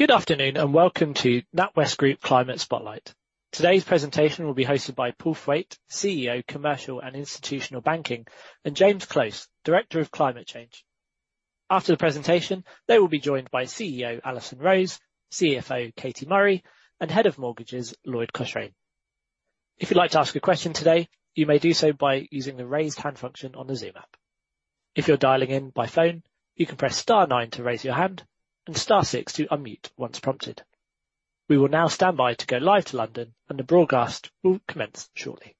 Good afternoon, welcome to NatWest Group Climate Spotlight. Today's presentation will be hosted by Paul Thwaite, CEO Commercial and Institutional Banking, and James Close, Director of Climate Change. After the presentation, they will be joined by CEO Alison Rose, CFO Katie Murray, and Head of Mortgages Lloyd Cochrane. If you'd like to ask a question today, you may do so by using the raise hand function on the Zoom app. If you're dialing in by phone, you can press star nine to raise your hand and star six to unmute once prompted. We will now stand by to go live to London and the broadcast will commence shortly.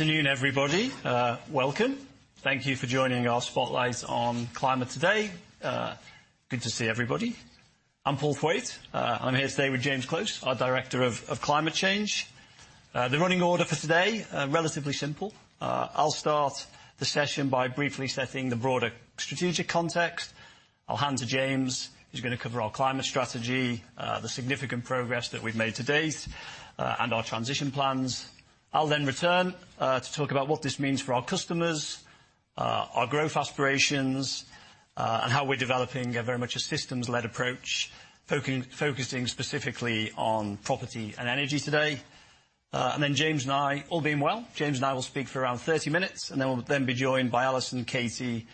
Afternoon, everybody. Welcome. Thank you for joining our spotlights on climate today. Good to see everybody. I'm Paul Thwaite. I'm here today with James Close, our Director of Climate Change. The running order for today, relatively simple. I'll start the session by briefly setting the broader strategic context. I'll hand to James, who's gonna cover our climate strategy, the significant progress that we've made to date, and our transition plans. I'll then return to talk about what this means for our customers, our growth aspirations, and how we're developing a very much a systems-led approach, focusing specifically on property and energy today. James Close and I, all being well, James Close and I will speak for around 30 minutes, then we'll then be joined by Alison Rose, Katie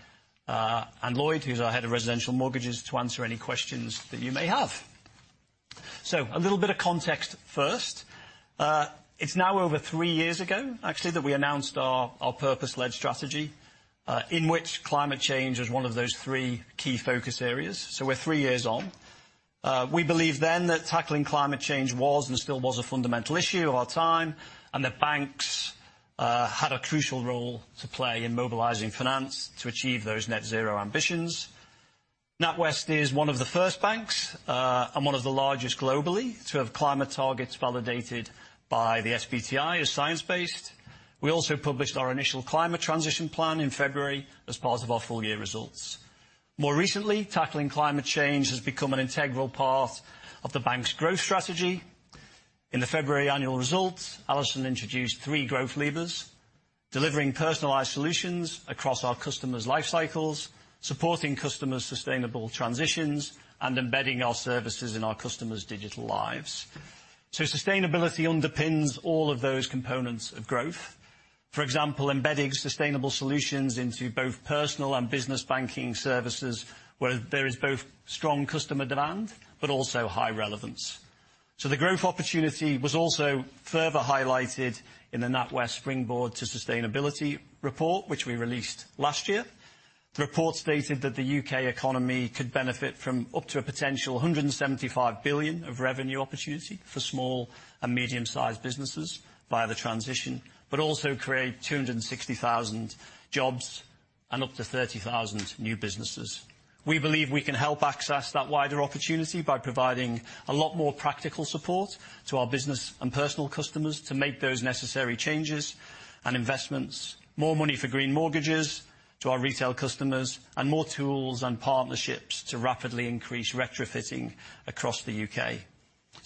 Murray, and Lloyd Cochrane, who's our Head of Residential Mortgages to answer any questions that you may have. A little bit of context first. It's now over three years ago actually, that we announced our purpose-led strategy, in which climate change is one of those three key focus areas. We're three years on. We believed then that tackling climate change was and still was a fundamental issue of our time, the banks had a crucial role to play in mobilizing finance to achieve those net zero ambitions. NatWest is one of the first banks and one of the largest globally to have climate targets validated by the SBTi as science-based. We also published our initial climate transition plan in February as part of our full year results. More recently, tackling climate change has become an integral part of the bank's growth strategy. In the February annual results, Alison introduced three growth levers, delivering personalised solutions across our customers' life cycles, supporting customers' sustainable transitions, and embedding our services in our customers' digital lives. Sustainability underpins all of those components of growth. For example, embedding sustainable solutions into both personal and business banking services where there is both strong customer demand but also high relevance. The growth opportunity was also further highlighted in the NatWest Springboard to Sustainability report, which we released last year. The report stated that the U.K. economy could benefit from up to a potential 175 billion of revenue opportunity for small and medium-sized businesses via the transition, but also create 260,000 jobs and up to 30,000 new businesses. We believe we can help access that wider opportunity by providing a lot more practical support to our business and personal customers to make those necessary changes and investments. More money for Green Mortgages to our retail customers and more tools and partnerships to rapidly increase retrofitting across the U.K.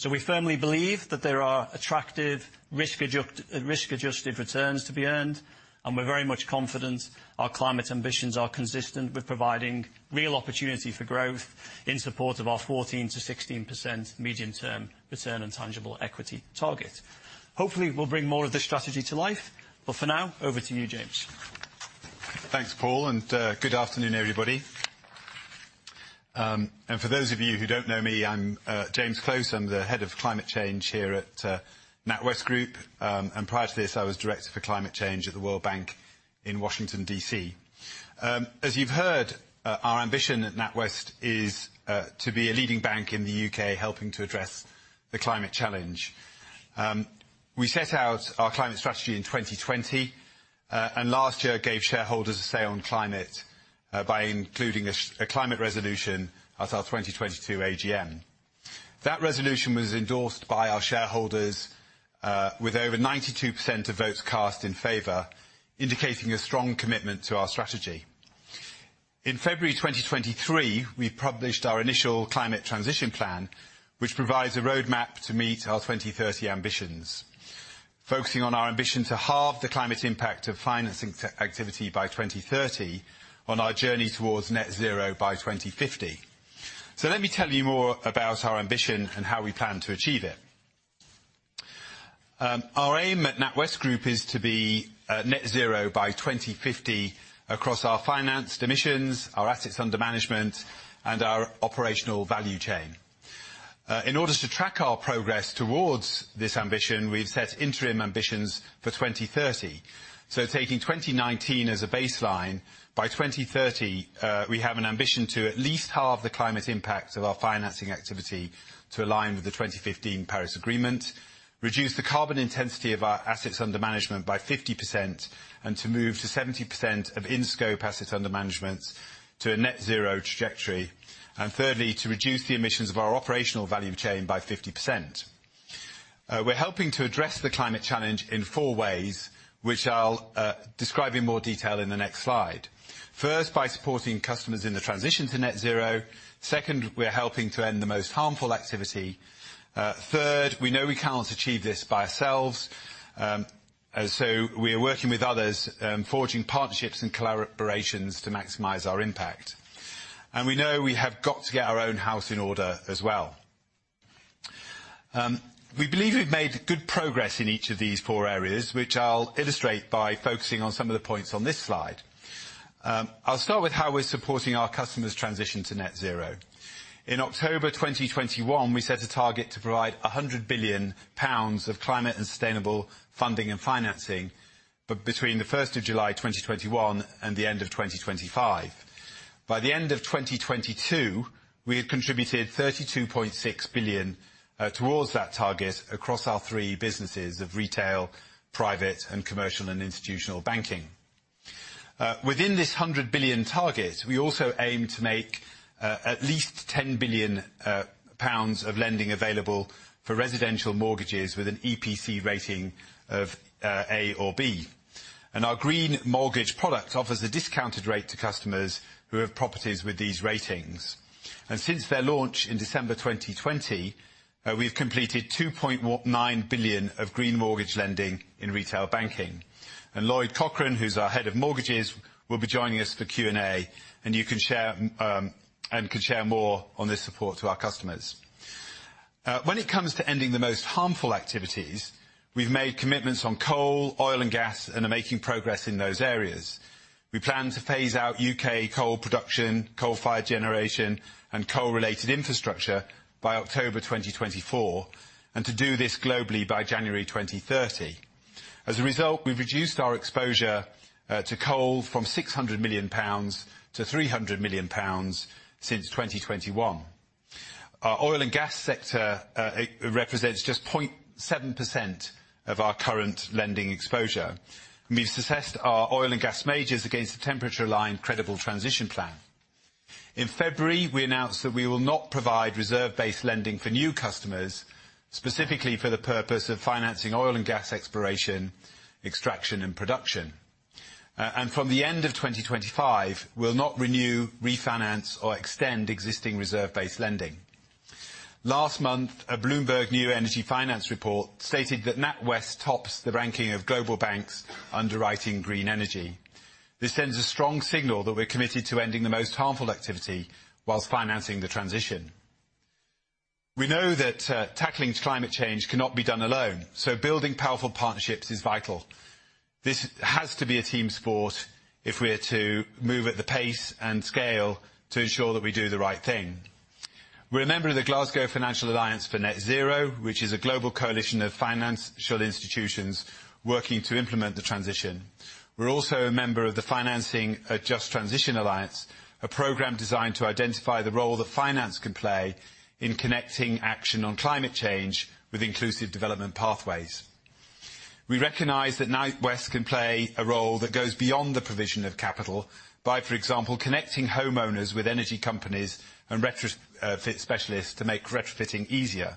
We firmly believe that there are attractive risk-adjusted returns to be earned, and we're very much confident our climate ambitions are consistent with providing real opportunity for growth in support of our 14%-16% medium-term return and tangible equity target. Hopefully, we'll bring more of this strategy to life, but for now, over to you, James. Thanks, Paul, good afternoon, everybody. For those of you who don't know me, I'm James Close. I'm the Head of Climate Change here at NatWest Group. Prior to this, I was Director for Climate Change at the World Bank in Washington, D.C. As you've heard, our ambition at NatWest is to be a leading bank in the U.K., helping to address the climate challenge. We set out our climate strategy in 2020, and last year gave shareholders a say on climate by including a climate resolution at our 2022 AGM. That resolution was endorsed by our shareholders with over 92% of votes cast in favour, indicating a strong commitment to our strategy. In February 2023, we published our initial climate transition plan, which provides a roadmap to meet our 2030 ambitions, focusing on our ambition to halve the climate impact of financing activity by 2030 on our journey towards net zero by 2050. Let me tell you more about our ambition and how we plan to achieve it. Our aim at NatWest Group is to be net zero by 2050 across our financed emissions, our assets under management, and our operational value chain. In order to track our progress towards this ambition, we've set interim ambitions for 2030. Taking 2019 as a baseline, by 2030, we have an ambition to at least halve the climate impact of our financing activity to align with the 2015 Paris Agreement, reduce the carbon intensity of our assets under management by 50%, and to move to 70% of in-scope assets under management to a net zero trajectory. Thirdly, to reduce the emissions of our operational value chain by 50%. We're helping to address the climate challenge in four ways, which I'll describe in more detail in the next slide. First, by supporting customers in the transition to net zero. Second, we're helping to end the most harmful activity. Third, we know we cannot achieve this by ourselves, and so we are working with others, forging partnerships and collaborations to maximize our impact. We know we have got to get our own house in order as well. We believe we've made good progress in each of these four areas, which I'll illustrate by focusing on some of the points on this slide. I'll start with how we're supporting our customers' transition to net zero. In October 2021, we set a target to provide 100 billion pounds of climate and sustainable funding and financing, but between the July 1, 2021 and the end of 2025. By the end of 2022, we had contributed 32.6 billion towards that target across our three businesses of retail, private, and commercial and institutional banking. Within this 100 billion target, we also aim to make at least 10 billion pounds of lending available for residential mortgages with an EPC rating of A or B. Our Green Mortgage product offers a discounted rate to customers who have properties with these ratings. Since their launch in December 2020, we've completed 2.9 billion of Green Mortgage lending in retail banking. Lloyd Cochrane, who's our head of mortgages, will be joining us for Q&A and can share more on this support to our customers. When it comes to ending the most harmful activities, we've made commitments on coal, oil, and gas and are making progress in those areas. We plan to phase out U.K. coal production, coal-fired generation, and coal-related infrastructure by October 2024 and to do this globally by January 2030. As a result, we've reduced our exposure to coal from 600 million pounds to 300 million pounds since 2021. Our oil and gas sector, it represents just 0.7% of our current lending exposure, and we've assessed our oil and gas majors against the temperature-aligned credible transition plan. In February, we announced that we will not provide reserve-based lending for new customers, specifically for the purpose of financing oil and gas exploration, extraction, and production. From the end of 2025, we'll not renew, refinance, or extend existing reserve-based lending. Last month, a Bloomberg New Energy Finance report stated that NatWest tops the ranking of global banks underwriting green energy. This sends a strong signal that we're committed to ending the most harmful activity while financing the transition. We know that, tackling climate change cannot be done alone, so building powerful partnerships is vital. This has to be a team sport if we're to move at the pace and scale to ensure that we do the right thing. We're a member of the Glasgow Financial Alliance for Net Zero, which is a global coalition of financial institutions working to implement the transition. We're also a member of the Financing a Just Transition Alliance, a program designed to identify the role that finance can play in connecting action on climate change with inclusive development pathways. We recognize that NatWest can play a role that goes beyond the provision of capital by, for example, connecting homeowners with energy companies and retrofit specialists to make retrofitting easier.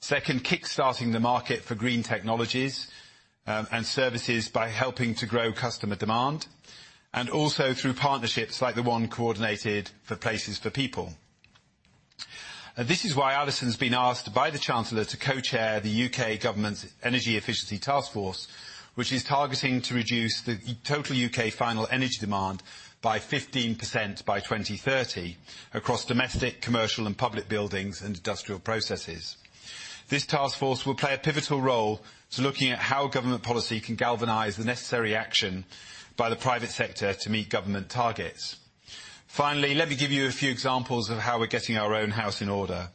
Second, kickstarting the market for green technologies and services by helping to grow customer demand, and also through partnerships like the one coordinated for Places for People. This is why Alison's been asked by the Chancellor to co-chair the U.K. Government's Energy Efficiency Taskforce, which is targeting to reduce the total U.K. final energy demand by 15% by 2030 across domestic, commercial, and public buildings and industrial processes. This Taskforce will play a pivotal role to looking at how government policy can galvanize the necessary action by the private sector to meet government targets. Let me give you a few examples of how we're getting our own house in order.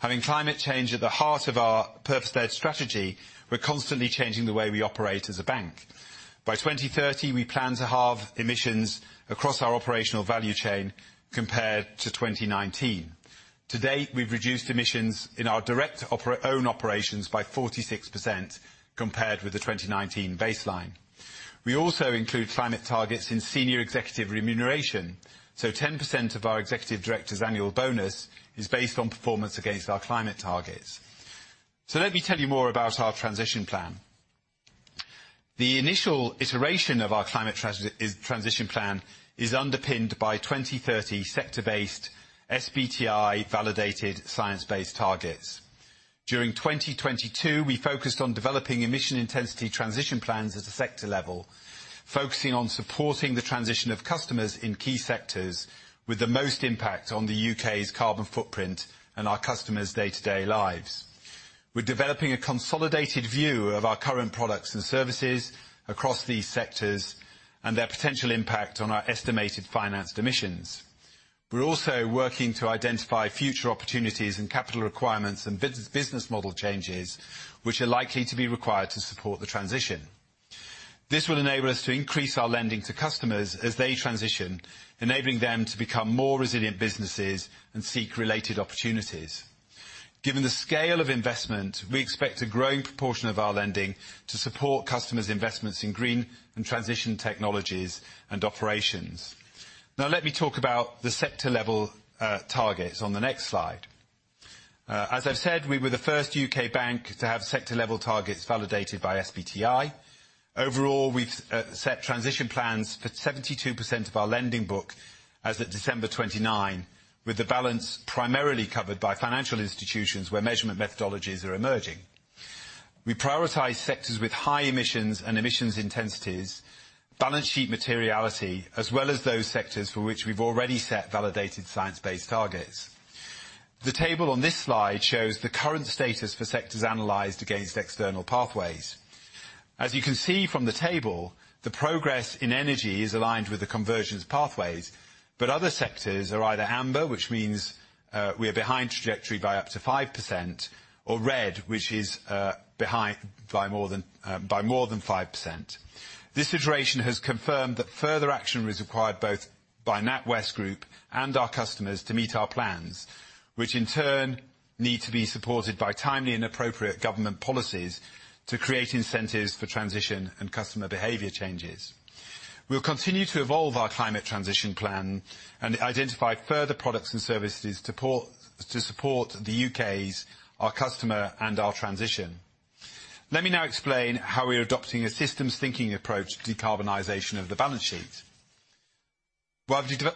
Having climate change at the heart of our purpose-led strategy, we're constantly changing the way we operate as a bank. By 2030, we plan to halve emissions across our operational value chain compared to 2019. To date, we've reduced emissions in our direct own operations by 46% compared with the 2019 baseline. We also include climate targets in senior executive remuneration. 10% of our executive directors' annual bonus is based on performance against our climate targets. Let me tell you more about our transition plan. The initial iteration of our climate transition plan is underpinned by 2030 sector-based SBTi-validated science-based targets. During 2022, we focused on developing emission intensity transition plans at the sector level, focusing on supporting the transition of customers in key sectors with the most impact on the U.K.'s carbon footprint and our customers' day-to-day lives. We're developing a consolidated view of our current products and services across these sectors and their potential impact on our estimated financed emissions. We're also working to identify future opportunities and capital requirements and business model changes which are likely to be required to support the transition. This will enable us to increase our lending to customers as they transition, enabling them to become more resilient businesses and seek related opportunities. Given the scale of investment, we expect a growing proportion of our lending to support customers' investments in green and transition technologies and operations. Let me talk about the sector-level targets on the next slide. As I've said, we were the first U.K. bank to have sector-level targets validated by SBTi. Overall, we've set transition plans for 72% of our lending book as of December 29, with the balance primarily covered by financial institutions where measurement methodologies are emerging. We prioritize sectors with high emissions and emissions intensities, balance sheet materiality, as well as those sectors for which we've already set validated science-based targets. The table on this slide shows the current status for sectors analyzed against external pathways. As you can see from the table, the progress in energy is aligned with the conversions pathways, but other sectors are either amber, which means, we are behind trajectory by up to 5%, or red, which is behind by more than 5%. This iteration has confirmed that further action is required both by NatWest Group and our customers to meet our plans, which in turn need to be supported by timely and appropriate government policies to create incentives for transition and customer behavior changes. We'll continue to evolve our climate transition plan and identify further products and services to support the U.K.'s, our customer, and our transition. Let me now explain how we're adopting a systems thinking approach to decarbonization of the balance sheet.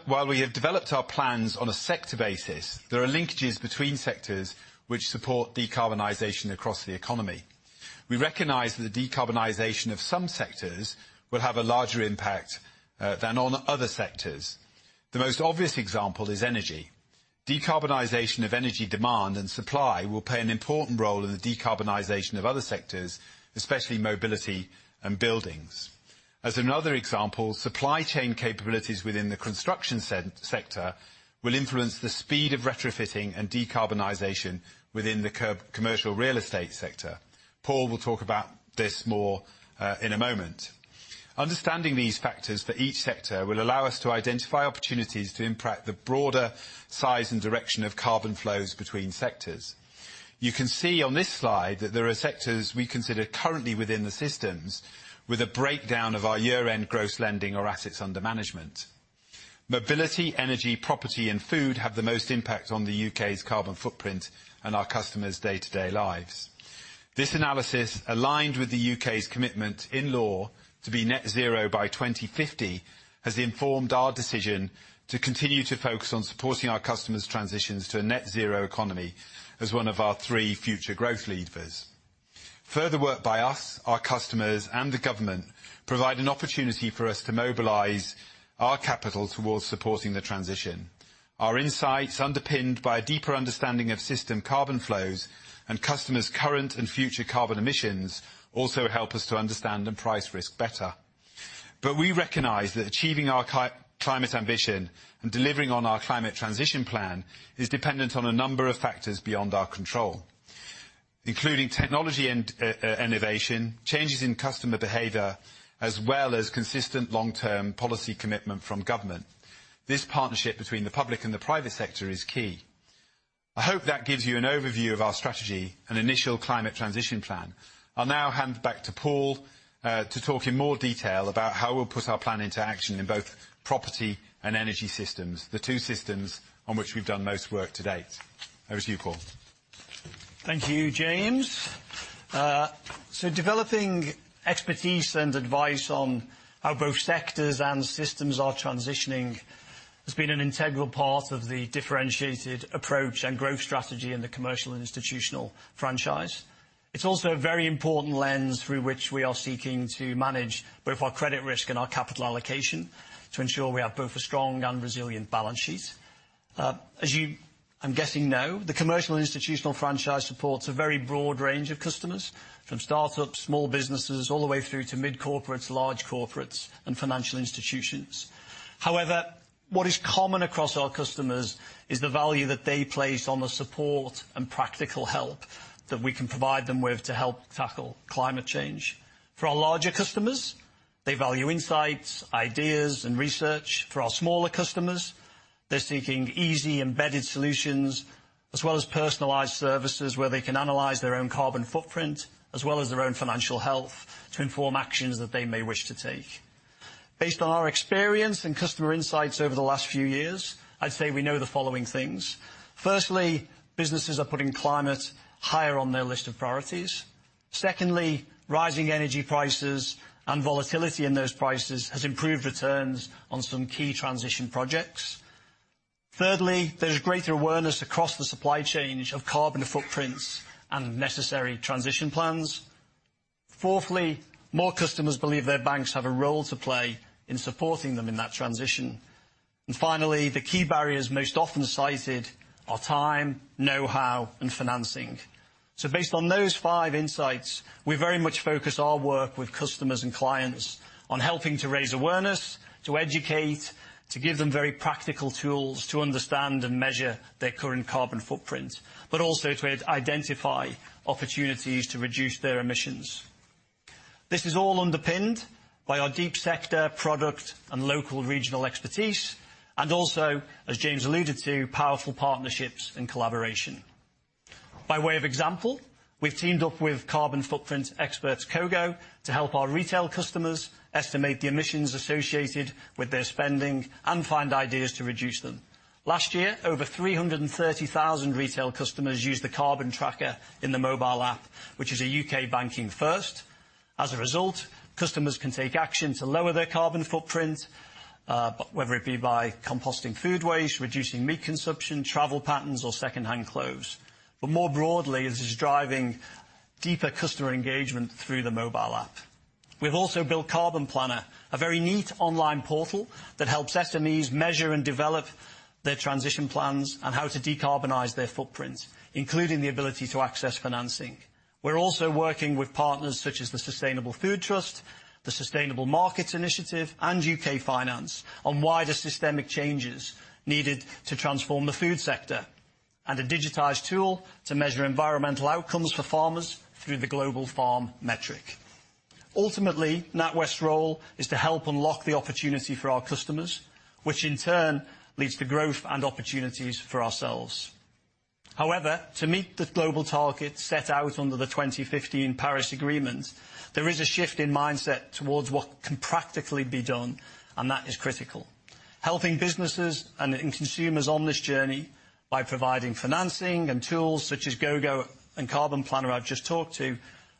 While we have developed our plans on a sector basis, there are linkages between sectors which support decarbonization across the economy. We recognize that the decarbonization of some sectors will have a larger impact than on other sectors. The most obvious example is energy. Decarbonization of energy demand and supply will play an important role in the decarbonization of other sectors, especially mobility and buildings. As another example, supply chain capabilities within the construction sector will influence the speed of retrofitting and decarbonization within the commercial real estate sector. Paul will talk about this more in a moment. Understanding these factors for each sector will allow us to identify opportunities to impact the broader size and direction of carbon flows between sectors. You can see on this slide that there are sectors we consider currently within the systems with a breakdown of our year-end gross lending or assets under management. Mobility, energy, property, and food have the most impact on the U.K.'s carbon footprint and our customers' day-to-day lives. This analysis, aligned with the U.K.'s commitment in law to be net zero by 2050, has informed our decision to continue to focus on supporting our customers' transitions to a net zero economy as one of our three future growth levers. Further work by us, our customers, and the government provide an opportunity for us to mobilize our capital towards supporting the transition. Our insights, underpinned by a deeper understanding of system carbon flows and customers' current and future carbon emissions, also help us to understand and price risk better. We recognize that achieving our climate ambition and delivering on our climate transition plan is dependent on a number of factors beyond our control, including technology and innovation, changes in customer behavior, as well as consistent long-term policy commitment from government. This partnership between the public and the private sector is key. I hope that gives you an overview of our strategy and initial climate transition plan. I'll now hand back to Paul to talk in more detail about how we'll put our plan into action in both property and energy systems, the two systems on which we've done most work to date. Over to you, Paul. Thank you, James. Developing expertise and advice on how both sectors and systems are transitioning has been an integral part of the differentiated approach and growth strategy in the commercial and institutional franchise. It's also a very important lens through which we are seeking to manage both our credit risk and our capital allocation to ensure we have both a strong and resilient balance sheet. As you, I'm guessing know, the commercial institutional franchise supports a very broad range of customers, from start-ups, small businesses, all the way through to mid corporates, large corporates and financial institutions. However, what is common across our customers is the value that they place on the support and practical help that we can provide them with to help tackle climate change. For our larger customers, they value insights, ideas and research. For our smaller customers, they're seeking easy embedded solutions, as well as personalised services where they can analyze their own carbon footprint, as well as their own financial health to inform actions that they may wish to take. Based on our experience and customer insights over the last few years, I'd say we know the following things. Firstly, businesses are putting climate higher on their list of priorities. Secondly, rising energy prices and volatility in those prices has improved returns on some key transition projects. Thirdly, there's greater awareness across the supply chains of carbon footprints and necessary transition plans. Fourthly, more customers believe their banks have a role to play in supporting them in that transition. Finally, the key barriers most often cited are time, know-how and financing. Based on those five insights, we very much focus our work with customers and clients on helping to raise awareness, to educate, to give them very practical tools to understand and measure their current carbon footprint, but also to identify opportunities to reduce their emissions. This is all underpinned by our deep sector product and local regional expertise, and also, as James alluded to, powerful partnerships and collaboration. By way of example, we've teamed up with carbon footprint experts Cogo to help our retail customers estimate the emissions associated with their spending and find ideas to reduce them. Last year, over 330,000 retail customers used the Carbon Tracker in the mobile app, which is a U.K. banking first. As a result, customers can take action to lower their carbon footprint, whether it be by composting food waste, reducing meat consumption, travel patterns, or secondhand clothes. More broadly, this is driving deeper customer engagement through the mobile app. We've also built Carbon Planner, a very neat online portal that helps SMEs measure and develop their transition plans and how to decarbonize their footprint, including the ability to access financing. We're also working with partners such as the Sustainable Food Trust, the Sustainable Markets Initiative and U.K. Finance on wider systemic changes needed to transform the food sector, and a digitized tool to measure environmental outcomes for farmers through the Global Farm Metric. Ultimately, NatWest's role is to help unlock the opportunity for our customers, which in turn leads to growth and opportunities for ourselves. To meet the global target set out under the 2015 Paris Agreement, there is a shift in mindset towards what can practically be done. That is critical. Helping businesses and consumers on this journey by providing financing and tools such as Cogo and Carbon Planner I've just talked to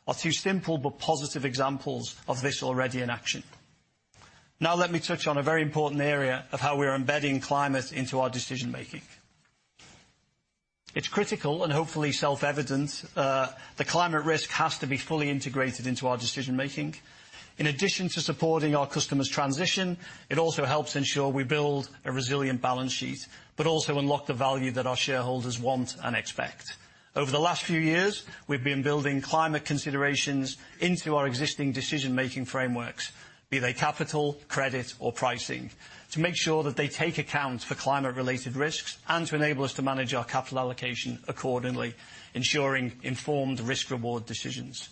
are two simple but positive examples of this already in action. Let me touch on a very important area of how we are embedding climate into our decision-making. It's critical and hopefully self-evident that climate risk has to be fully integrated into our decision-making. In addition to supporting our customers' transition, it also helps ensure we build a resilient balance sheet, but also unlock the value that our shareholders want and expect. Over the last few years, we've been building climate considerations into our existing decision-making frameworks, be they capital, credit or pricing, to make sure that they take account for climate related risks and to enable us to manage our capital allocation accordingly, ensuring informed risk reward decisions.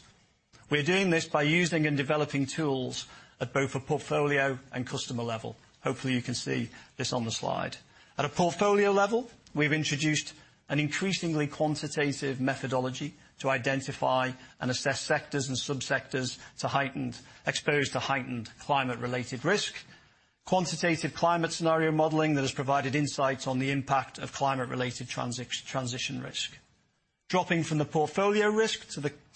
We're doing this by using and developing tools at both a portfolio and customer level. Hopefully, you can see this on the slide. At a portfolio level, we've introduced an increasingly quantitative methodology to identify and assess sectors and subsectors exposed to heightened climate related risk. Quantitative climate scenario modeling that has provided insights on the impact of climate related transition risk. Dropping from the portfolio risk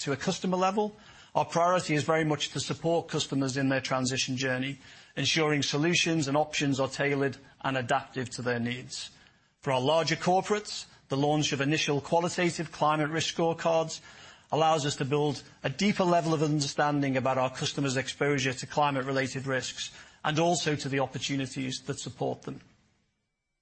to a customer level, our priority is very much to support customers in their transition journey, ensuring solutions and options are tailored and adaptive to their needs. For our larger corporates, the launch of initial qualitative climate risk scorecards allows us to build a deeper level of understanding about our customers' exposure to climate related risks and also to the opportunities that support them.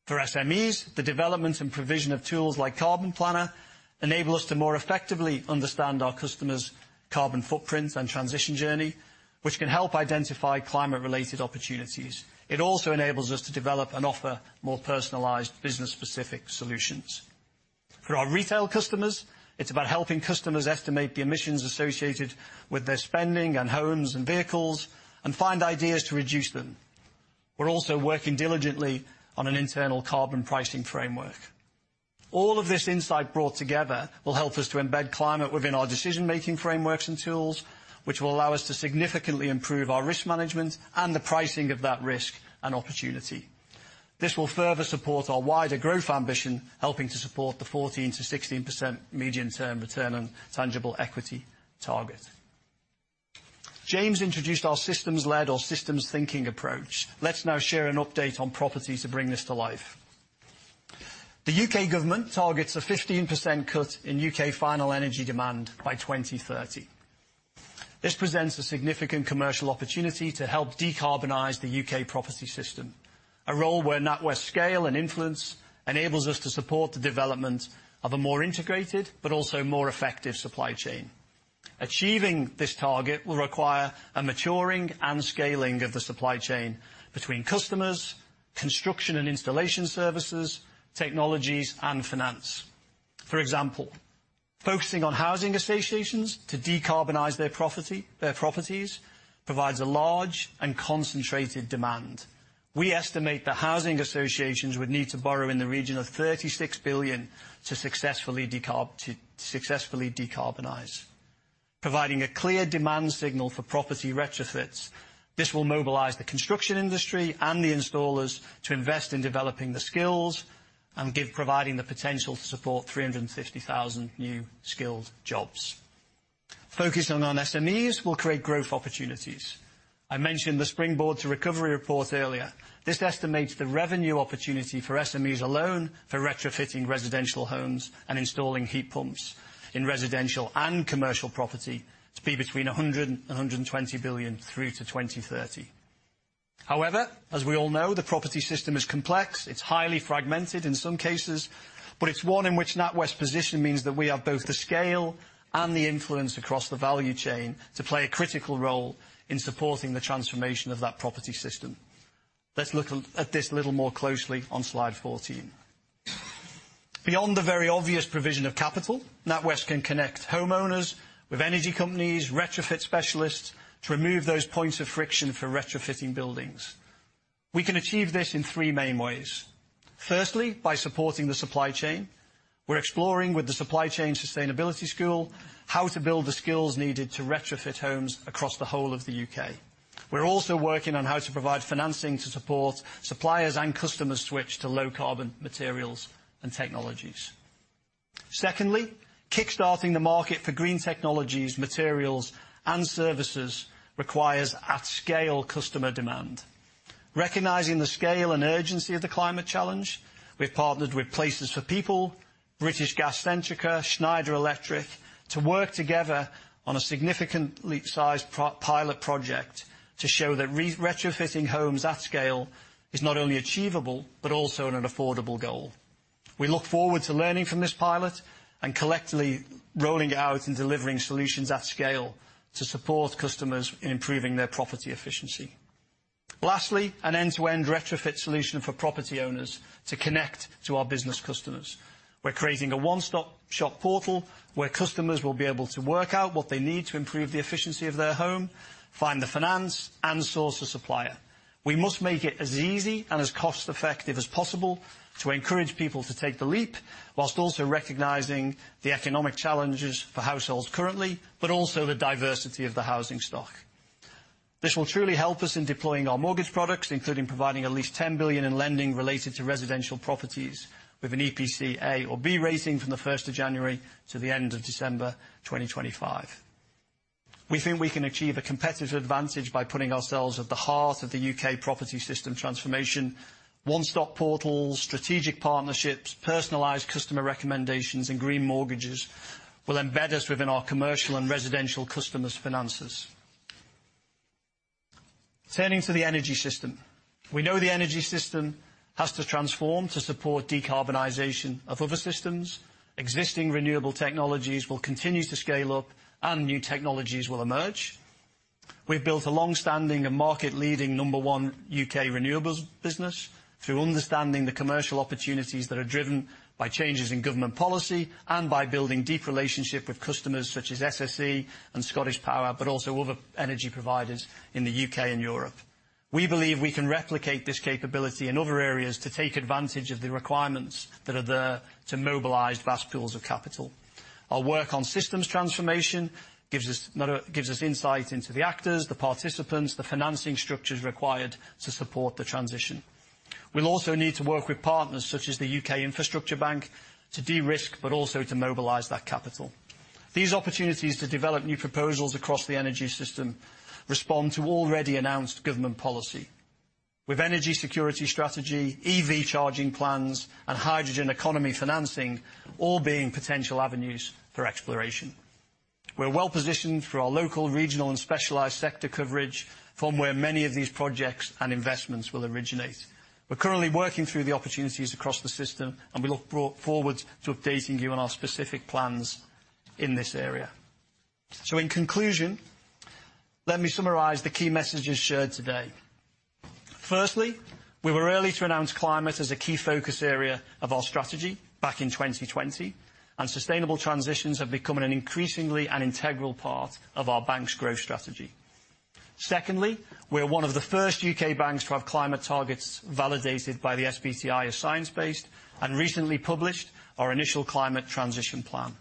For SMEs, the development and provision of tools like Carbon Planner enable us to more effectively understand our customers' carbon footprints and transition journey, which can help identify climate related opportunities. It also enables us to develop and offer more personalised business specific solutions. For our retail customers, it's about helping customers estimate the emissions associated with their spending on homes and vehicles and find ideas to reduce them. We're also working diligently on an internal carbon pricing framework. All of this insight brought together will help us to embed climate within our decision-making frameworks and tools, which will allow us to significantly improve our risk management and the pricing of that risk and opportunity. This will further support our wider growth ambition, helping to support the 14%-16% median term return on tangible equity target. James introduced our systems led or systems thinking approach. Let's now share an update on property to bring this to life. The U.K. government targets a 15% cut in U.K. final energy demand by 2030. This presents a significant commercial opportunity to help decarbonize the U.K. property system. A role where NatWest scale and influence enables us to support the development of a more integrated, but also more effective supply chain. Achieving this target will require a maturing and scaling of the supply chain between customers, construction and installation services, technologies, and finance. For example, focusing on housing associations to decarbonize their properties, provides a large and concentrated demand. We estimate that housing associations would need to borrow in the region of 36 billion to successfully decarbonize, providing a clear demand signal for property retrofits. This will mobilize the construction industry and the installers to invest in developing the skills, and give providing the potential to support 350,000 new skilled jobs. Focusing on SMEs will create growth opportunities. I mentioned the Springboard to Recovery report earlier. This estimates the revenue opportunity for SMEs alone for retrofitting residential homes and installing heat pumps in residential and commercial property to be between 100 billion and 120 billion through to 2030. However, as we all know, the property system is complex. It's highly fragmented in some cases, but it's one in which NatWest position means that we have both the scale and the influence across the value chain to play a critical role in supporting the transformation of that property system. Let's look at this a little more closely on slide 14. Beyond the very obvious provision of capital, NatWest can connect homeowners with energy companies, retrofit specialists to remove those points of friction for retrofitting buildings. We can achieve this in three main ways. Firstly, by supporting the supply chain. We're exploring with the Supply Chain Sustainability School how to build the skills needed to retrofit homes across the whole of the U.K. We're also working on how to provide financing to support suppliers and customers switch to low carbon materials and technologies. Secondly, kickstarting the market for green technologies, materials, and services requires at scale customer demand. Recognizing the scale and urgency of the climate challenge, we've partnered with Places for People, British Gas Centrica, Schneider Electric, to work together on a significant leap size pilot project to show that re-retrofitting homes at scale is not only achievable, but also in an affordable goal. We look forward to learning from this pilot and collectively rolling out and delivering solutions at scale to support customers in improving their property efficiency. Lastly, an end-to-end retrofit solution for property owners to connect to our business customers. We're creating a one-stop shop portal where customers will be able to work out what they need to improve the efficiency of their home, find the finance, and source a supplier. We must make it as easy and as cost-effective as possible to encourage people to take the leap, while also recognizing the economic challenges for households currently, but also the diversity of the housing stock. This will truly help us in deploying our mortgage products, including providing at least 10 billion in lending related to residential properties with an EPC A or B rating from the January 1 to the end of December 2025. We think we can achieve a competitive advantage by putting ourselves at the heart of the U.K. property system transformation, one-stop portals, strategic partnerships, personalised customer recommendations, and Green Mortgages will embed us within our commercial and residential customers finances. Turning to the energy system. We know the energy system has to transform to support decarbonization of other systems. Existing renewable technologies will continue to scale up and new technologies will emerge. We've built a long-standing and market leading number one U.K. renewables business through understanding the commercial opportunities that are driven by changes in government policy and by building deep relationship with customers such as SSE and ScottishPower, but also other energy providers in the U.K. and Europe. We believe we can replicate this capability in other areas to take advantage of the requirements that are there to mobilize vast pools of capital. Our work on systems transformation gives us insight into the actors, the participants, the financing structures required to support the transition. We'll also need to work with partners such as the U.K. Infrastructure Bank to de-risk, but also to mobilize that capital. These opportunities to develop new proposals across the energy system respond to already announced government policy. With energy security strategy, EV charging plans, and hydrogen economy financing, all being potential avenues for exploration. We're well-positioned through our local, regional, and specialized sector coverage from where many of these projects and investments will originate. We're currently working through the opportunities across the system, and we look forward to updating you on our specific plans in this area. In conclusion, let me summarize the key messages shared today. Firstly, we were early to announce climate as a key focus area of our strategy back in 2020, and sustainable transitions have become an increasingly integral part of our bank's growth strategy. Secondly, we are one of the first U.K. banks to have climate targets validated by the SBTi as science-based and recently published our initial climate transition plan.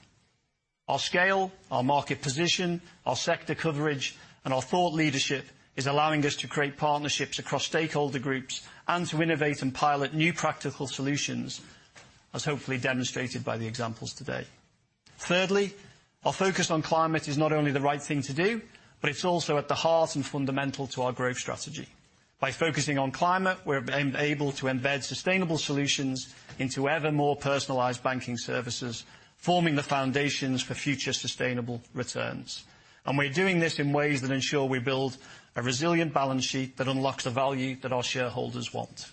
Our scale, our market position, our sector coverage, and our thought leadership is allowing us to create partnerships across stakeholder groups and to innovate and pilot new practical solutions, as hopefully demonstrated by the examples today. Thirdly, our focus on climate is not only the right thing to do, but it's also at the heart and fundamental to our growth strategy. By focusing on climate, we're able to embed sustainable solutions into ever more personalised banking services, forming the foundations for future sustainable returns. We're doing this in ways that ensure we build a resilient balance sheet that unlocks the value that our shareholders want.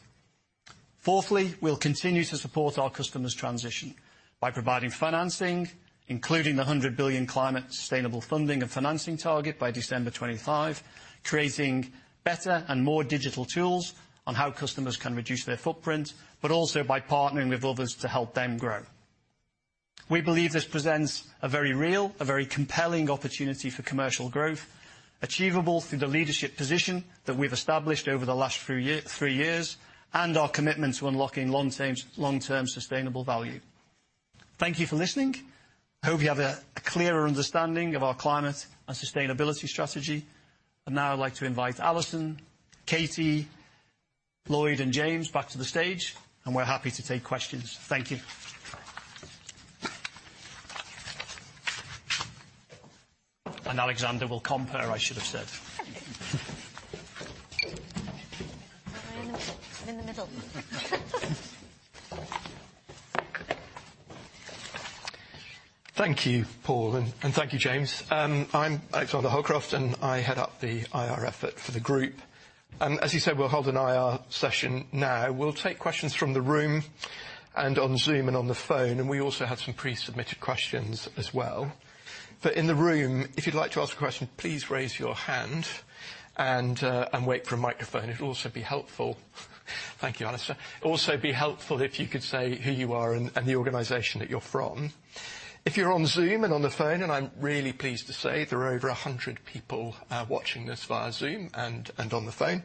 Fourthly, we'll continue to support our customers' transition by providing financing, including the 100 billion climate sustainable funding and financing target by December 25, creating better and more digital tools on how customers can reduce their footprint. Also by partnering with others to help them grow. We believe this presents a very real, a very compelling opportunity for commercial growth, achievable through the leadership position that we've established over the last three years. Our commitment to unlocking long-term sustainable value. Thank you for listening. Hope you have a clearer understanding of our climate and sustainability strategy. Now I'd like to invite Alison, Katie, Lloyd, and James back to the stage. We're happy to take questions. Thank you. Alexander will compere, I should have said. In the middle. Thank you, Paul, and thank you, James. I'm Alexander Holcroft, I head up the IR effort for the group. As you said, we'll hold an IR session now. We'll take questions from the room and on Zoom and on the phone, we also have some pre-submitted questions as well. In the room, if you'd like to ask a question, please raise your hand and wait for a microphone. Thank you, Alastair. Also be helpful if you could say who you are and the organization that you're from. If you're on Zoom and on the phone, I'm really pleased to say there are over 100 people watching this via Zoom and on the phone,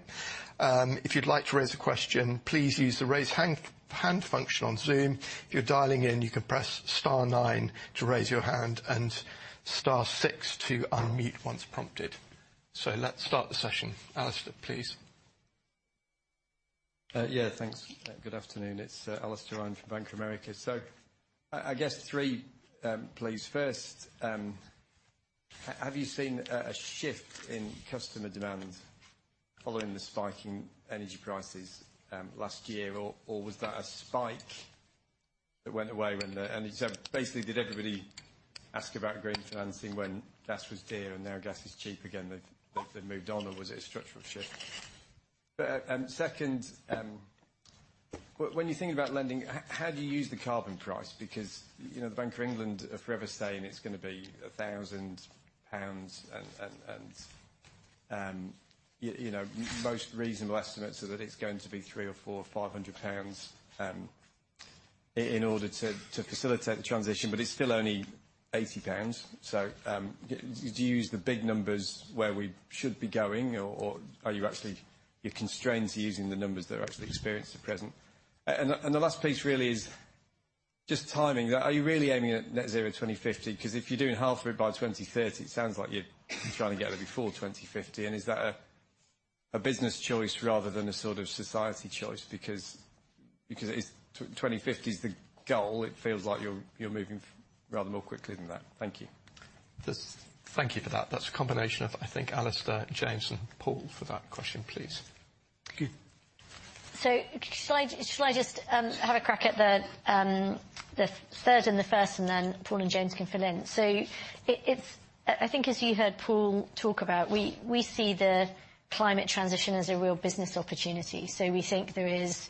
if you'd like to raise a question, please use the Raise Hand function on Zoom. If you're dialing in, you can press star nine to raise your hand and star six to unmute once prompted. Let's start the session. Alastair, please. Yeah, thanks. Good afternoon. It's Alastair Ryan from Bank of America. I guess three, please. First, have you seen a shift in customer demand following the spike in energy prices last year? Was that a spike that went away basically, did everybody ask about green financing when gas was dear and now gas is cheap again, they've moved on, or was it a structural shift? Second, when you're thinking about lending, how do you use the carbon price? You know, the Bank of England are forever saying it's gonna be 1,000 pounds and, you know, most reasonable estimates are that it's going to be 300 or 400 or 500 pounds in order to facilitate the transition, it's still only 80 pounds. Do you use the big numbers where we should be going or are you actually? You're constrained to using the numbers that are actually experienced at present? The last piece really is just timing. Are you really aiming at net zero 2050? 'Cause if you're doing halfway by 2030, it sounds like you're trying to get there before 2050. Is that a business choice rather than a sort of society choice? Because if 2050 is the goal, it feels like you're moving rather more quickly than that. Thank you. Just thank you for that. That's a combination of, I think, Alastair, James, and Paul for that question, please. Thank you. Should I just have a crack at the third and the first, and then Paul and James can fill in? It's I think as you heard Paul talk about, we see the climate transition as a real business opportunity. We think there is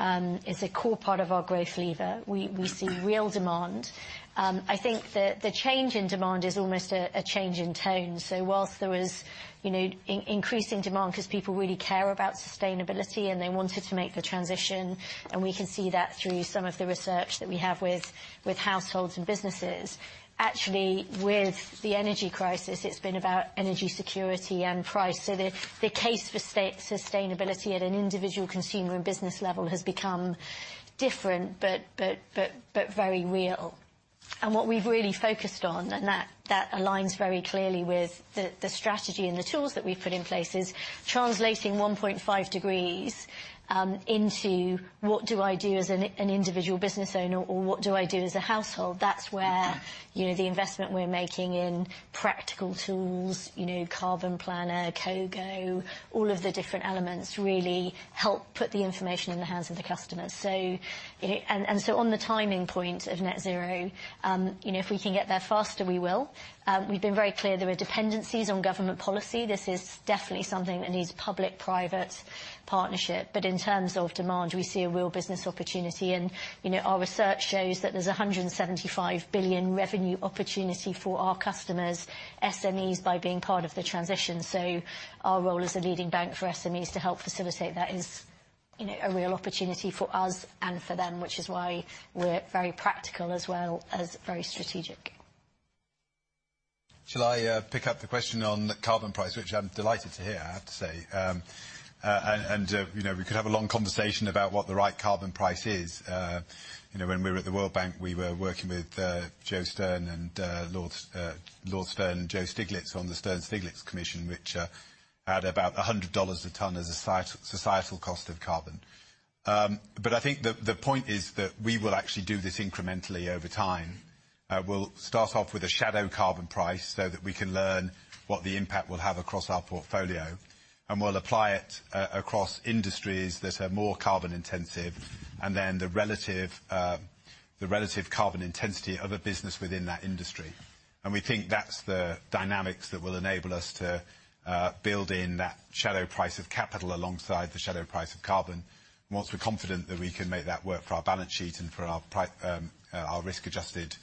it's a core part of our growth lever. We see real demand. I think that the change in demand is almost a change in tone. Whilst there was, you know, increasing demand 'cause people really care about sustainability and they wanted to make the transition, and we can see that through some of the research that we have with households and businesses. Actually, with the energy crisis, it's been about energy security and price. The case for sustainability at an individual consumer and business level has become different, but very real. What we've really focused on, and that aligns very clearly with the strategy and the tools that we've put in place, is translating 1.5 degrees into what do I do as an individual business owner or what do I do as a household? That's where, you know, the investment we're making in practical tools, you know, Carbon Planner, Cogo, all of the different elements really help put the information in the hands of the customers. On the timing point of net zero, you know, if we can get there faster, we will. We've been very clear there are dependencies on government policy. This is definitely something that needs public-private partnership. In terms of demand, we see a real business opportunity. You know, our research shows that there's a 175 billion revenue opportunity for our customers, SMEs by being part of the transition. Our role as a leading bank for SMEs to help facilitate that is, you know, a real opportunity for us and for them, which is why we're very practical as well as very strategic. Shall I pick up the question on the carbon price, which I'm delighted to hear, I have to say. You know, we could have a long conversation about what the right carbon price is. You know, when we were at the World Bank, we were working with Joseph Stiglitz and Lord Stern on the Stern-Stiglitz Commission, which had about $100 a ton as a societal cost of carbon. I think the point is that we will actually do this incrementally over time. We'll start off with a shadow carbon price so that we can learn what the impact will have across our portfolio, and we'll apply it across industries that are more carbon intensive, and then the relative carbon intensity of a business within that industry. We think that's the dynamics that will enable us to build in that shadow price of capital alongside the shadow price of carbon. Once we're confident that we can make that work for our balance sheet and for our risk-adjusted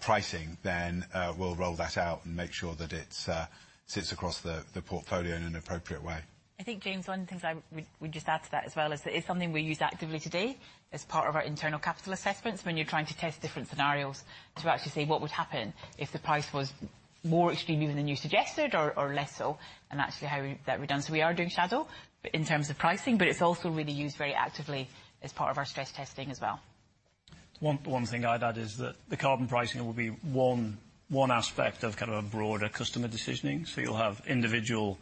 pricing, then we'll roll that out and make sure that it sits across the portfolio in an appropriate way. I think, James, one thing I would just add to that as well is that it's something we use actively today as part of our internal capital assessments when you're trying to test different scenarios to actually see what would happen if the price was more extreme even than you suggested or less so, and actually. We are doing shadow, but in terms of pricing, but it's also really used very actively as part of our stress testing as well. One thing I'd add is that the carbon pricing will be one aspect of kind of a broader customer decisioning. You'll have individual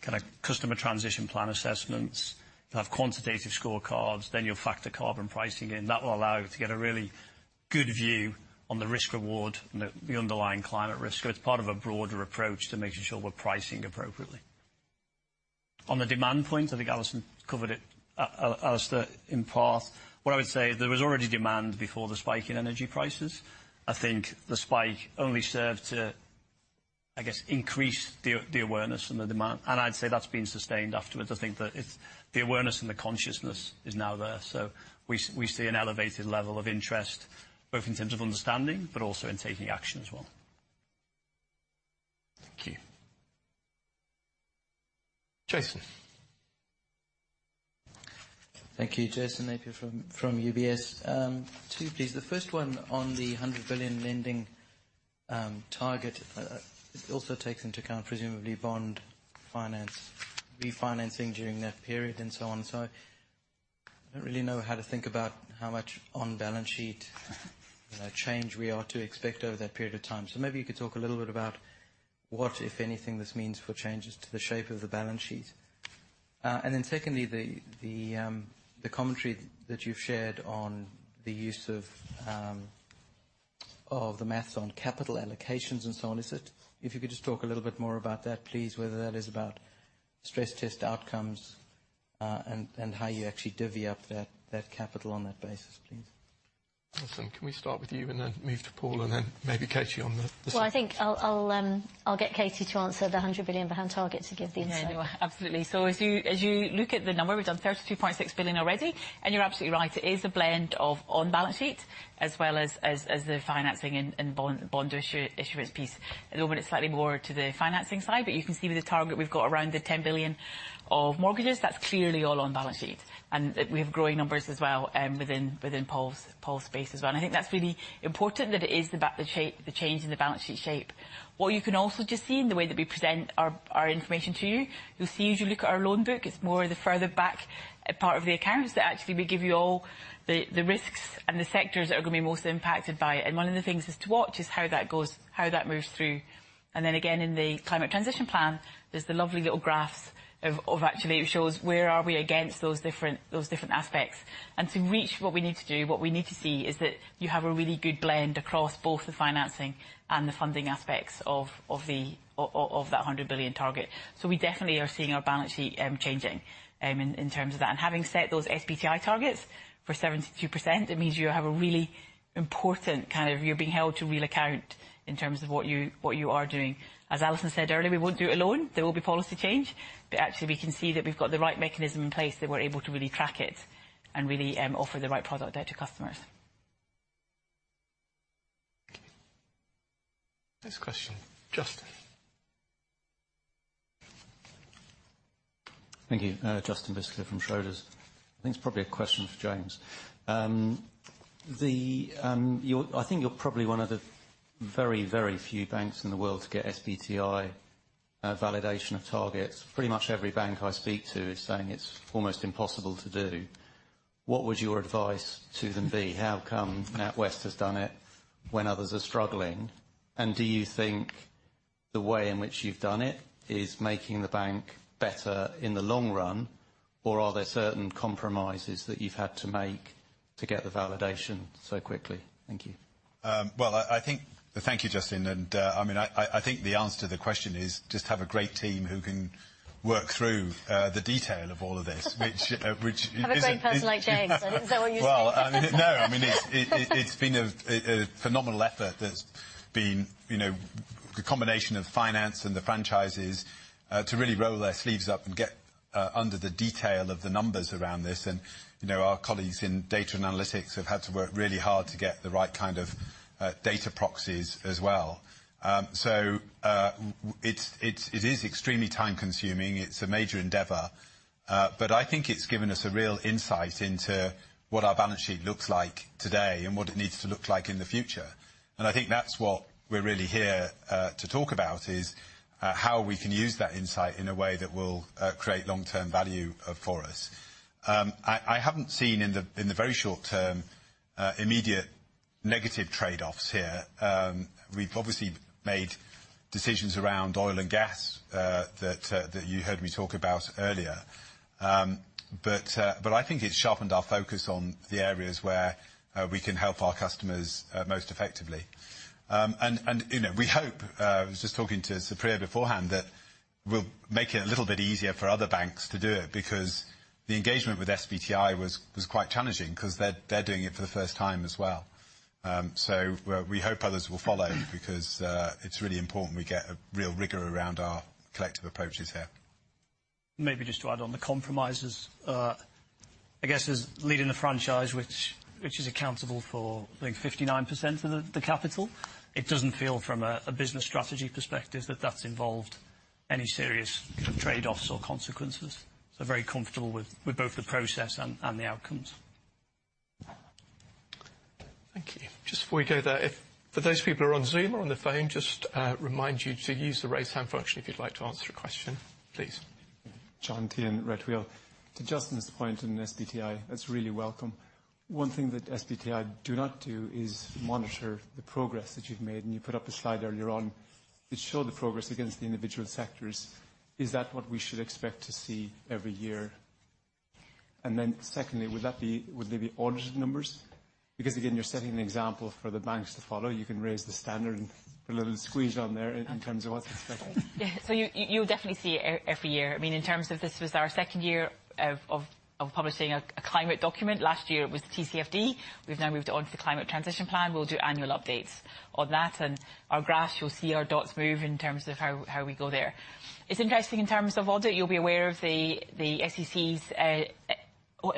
kind of customer transition plan assessments. You'll have quantitative scorecards, then you'll factor carbon pricing in. That will allow you to get a really good view on the risk/reward and the underlying climate risk. It's part of a broader approach to making sure we're pricing appropriately. On the demand point, I think Alison covered it, Alison, in part. What I would say, there was already demand before the spike in energy prices. I think the spike only served to, I guess, increase the awareness and the demand, and I'd say that's been sustained afterwards. I think that the awareness and the consciousness is now there. We see an elevated level of interest, both in terms of understanding, but also in taking action as well. Thank you. Jason. Thank you. Jason Napier from UBS. Two please. The first one on the 100 billion lending target. It also takes into account, presumably, bond finance, refinancing during that period and so on. I don't really know how to think about how much on balance sheet change we are to expect over that period of time. Maybe you could talk a little bit about what, if anything, this means for changes to the shape of the balance sheet. Secondly, the commentary that you've shared on the use of the math on capital allocations and so on. If you could just talk a little bit more about that, please, whether that is about stress test outcomes and how you actually divvy up that capital on that basis, please. Alison, can we start with you and then move to Paul and then maybe Katie on the second-. Well, I think I'll get Katie to answer the 100 billion behind target to give the insight. Yeah, no, absolutely. As you look at the number, we've done 32.6 billion already, and you're absolutely right, it is a blend of on-balance sheet as well as the financing and bond issuance piece. It'll be slightly more to the financing side, you can see with the target we've got around the 10 billion of mortgages. That's clearly all on balance sheet, we have growing numbers as well within Paul's space as well. I think that's really important that it is about the change in the balance sheet shape. What you can also just see in the way that we present our information to you'll see as you look at our loan book, it's more the further back part of the accounts that actually we give you all the risks and the sectors that are gonna be most impacted by it. One of the things is to watch is how that goes, how that moves through. Then again, in the climate transition plan, there's the lovely little graphs of actually it shows where are we against those different aspects. To reach what we need to do, what we need to see is that you have a really good blend across both the financing and the funding aspects of the of that 100 billion target. We definitely are seeing our balance sheet changing in terms of that. Having set those SBTi targets for 72%, it means you have a really important, kind of you're being held to real account in terms of what you are doing. As Alison said earlier, we won't do it alone. There will be policy change. Actually, we can see that we've got the right mechanism in place that we're able to really track it and really offer the right product out to customers. Next question, Justin. Thank you. Justin Bisseker from Schroders. I think it's probably a question for James. I think you're probably one of the very, very few banks in the world to get SBTi validation of targets. Pretty much every bank I speak to is saying it's almost impossible to do. What would your advice to them be? How come NatWest has done it when others are struggling? Do you think the way in which you've done it is making the bank better in the long run, or are there certain compromises that you've had to make to get the validation so quickly? Thank you. Well, I think. Thank you, Justin. I mean, I think the answer to the question is just have a great team who can work through the detail of all of this. Have a great person like James. I think that's what you're saying. Well, I mean, no, I mean, it's been a phenomenal effort that's been, you know, the combination of finance and the franchises to really roll their sleeves up and get under the detail of the numbers around this. You know, our colleagues in data analytics have had to work really hard to get the right kind of data proxies as well. So it is extremely time-consuming. It's a major endeavor. But I think it's given us a real insight into what our balance sheet looks like today and what it needs to look like in the future. I think that's what we're really here to talk about, is how we can use that insight in a way that will create long-term value for us. I haven't seen in the very short term, immediate negative trade-offs here. We've obviously made decisions around oil and gas that you heard me talk about earlier. I think it sharpened our focus on the areas where we can help our customers most effectively. You know, we hope I was just talking to Supriya beforehand, that we'll make it a little bit easier for other banks to do it because the engagement with SBTi was quite challenging 'cause they're doing it for the first time as well. We hope others will follow because it's really important we get a real rigor around our collective approaches here. Maybe just to add on the compromises. I guess as leading the franchise, which is accountable for, I think 59% of the capital, it doesn't feel from a business strategy perspective that that's involved any serious trade-offs or consequences. Very comfortable with both the process and the outcomes. Thank you. Just before we go there, if for those people who are on Zoom or on the phone, just remind you to use the raise hand function if you'd like to answer a question, please. John Teahan, Redwheel. To Justin's point on SBTi, that's really welcome. One thing that SBTi do not do is monitor the progress that you've made, and you put up a slide earlier on that showed the progress against the individual sectors. Is that what we should expect to see every year? Secondly, would they be audited numbers? Because, again, you're setting an example for the banks to follow. You can raise the standard and put a little squeeze on there in terms of what's expected. Yeah. You'll definitely see it every year. I mean, in terms of this was our second year of publishing a climate document. Last year it was the TCFD. We've now moved on to the climate transition plan. We'll do annual updates on that. Our graphs, you'll see our dots move in terms of how we go there. It's interesting in terms of audit, you'll be aware of the S.E.C.'s expectations. The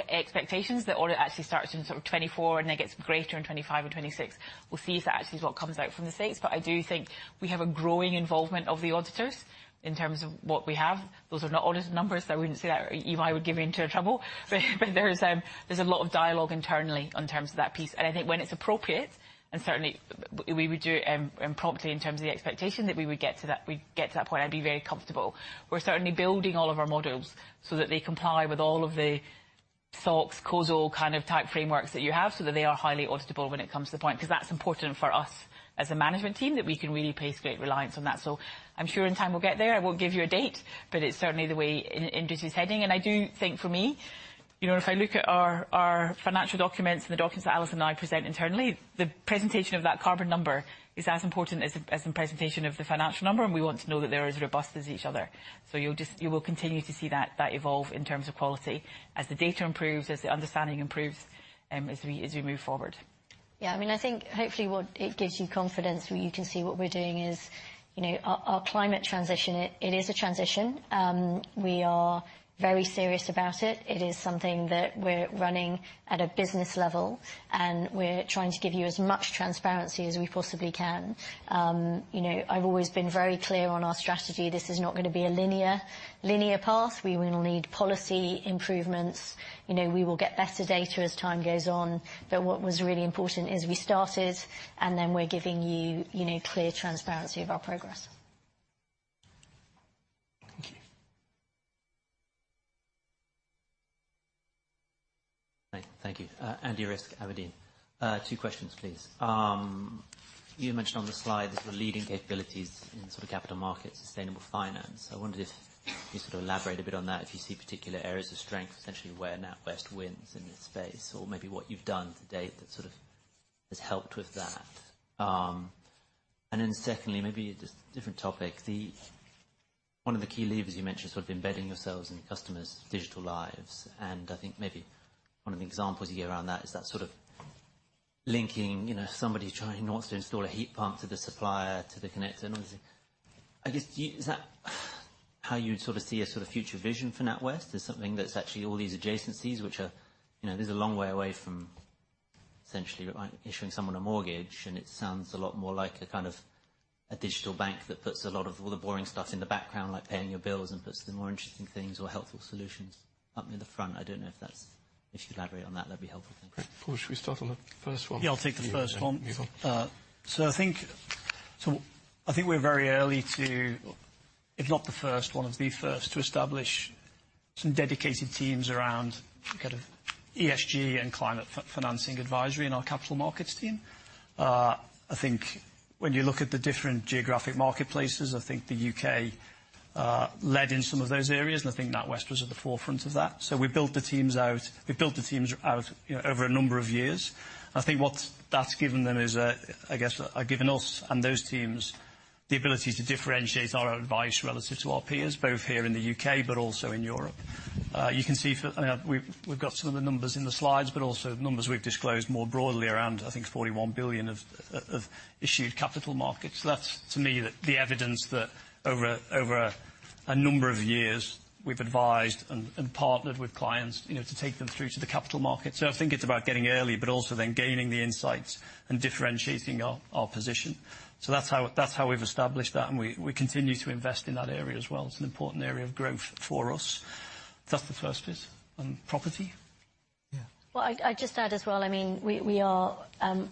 audit actually starts in sort of 2024, and then it gets greater in 2025 and 2026. We'll see if that actually is what comes out from the U.S. I do think we have a growing involvement of the auditors in terms of what we have. Those are not audited numbers, so I wouldn't say that. Eva would get me into a trouble. But there's a lot of dialogue internally in terms of that piece. I think when it's appropriate, and certainly we would do it promptly in terms of the expectation that we would get to that, we'd get to that point, I'd be very comfortable. We're certainly building all of our models so that they comply with all of the SOX, COSO kind of type frameworks that you have, so that they are highly auditable when it comes to the point. Cause that's important for us as a management team, that we can really place great reliance on that. I'm sure in time we'll get there. I won't give you a date, but it's certainly the way in, it is heading. I do think for me, you know, if I look at our financial documents and the documents that Alison and I present internally, the presentation of that carbon number is as important as the presentation of the financial number, and we want to know that they're as robust as each other. You will continue to see that evolve in terms of quality as the data improves, as the understanding improves, as we move forward. I mean, I think hopefully what it gives you confidence, where you can see what we're doing is, you know, our climate transition, it is a transition. We are very serious about it. It is something that we're running at a business level, and we're trying to give you as much transparency as we possibly can. You know, I've always been very clear on our strategy. This is not gonna be a linear path. We will need policy improvements. You know, we will get better data as time goes on. What was really important is we started and then we're giving you know, clear transparency of our progress. Thank you. Thank you. Andrew Ruscoe. Two questions, please. You mentioned on the slide the sort of leading capabilities in sort of capital market, sustainable finance. I wondered if you'd sort of elaborate a bit on that, if you see particular areas of strength, essentially where NatWest wins in this space, or maybe what you've done to date that sort of has helped with that. Secondly, maybe just different topic. One of the key levers you mentioned, sort of embedding yourselves in customers' digital lives, and I think maybe one of the examples you gave around that is that sort of linking, you know, somebody trying, who wants to install a heat pump to the supplier, to the connector and everything. I guess, do you. Is that how you'd sort of see a sort of future vision for NatWest as something that's actually all these adjacencies which are, you know, there's a long way away from essentially issuing someone a mortgage, and it sounds a lot more like a kind of a digital bank that puts a lot of all the boring stuff in the background, like paying your bills, and puts the more interesting things or helpful solutions up in the front? I don't know if that's. If you could elaborate on that'd be helpful. Thank you. Paul, should we start on the first one? Yeah, I'll take the first one. You go. I think we're very early to, if not the first, one of the first to establish some dedicated teams around kind of ESG and climate financing advisory in our capital markets team. I think when you look at the different geographic marketplaces, I think the U.K. led in some of those areas, and I think NatWest was at the forefront of that. We built the teams out, you know, over a number of years. I think what that's given them is a, I guess, given us and those teams the ability to differentiate our advice relative to our peers, both here in the U.K. but also in Europe. You can see for, we've got some of the numbers in the slides, but also numbers we've disclosed more broadly around, I think 41 billion of issued capital markets. That's, to me, the evidence that over a number of years, we've advised and partnered with clients, you know, to take them through to the capital markets. I think it's about getting early, but also then gaining the insights and differentiating our position. That's how we've established that, and we continue to invest in that area as well. It's an important area of growth for us. That's the first bit on property. I'd just add as well, I mean, we are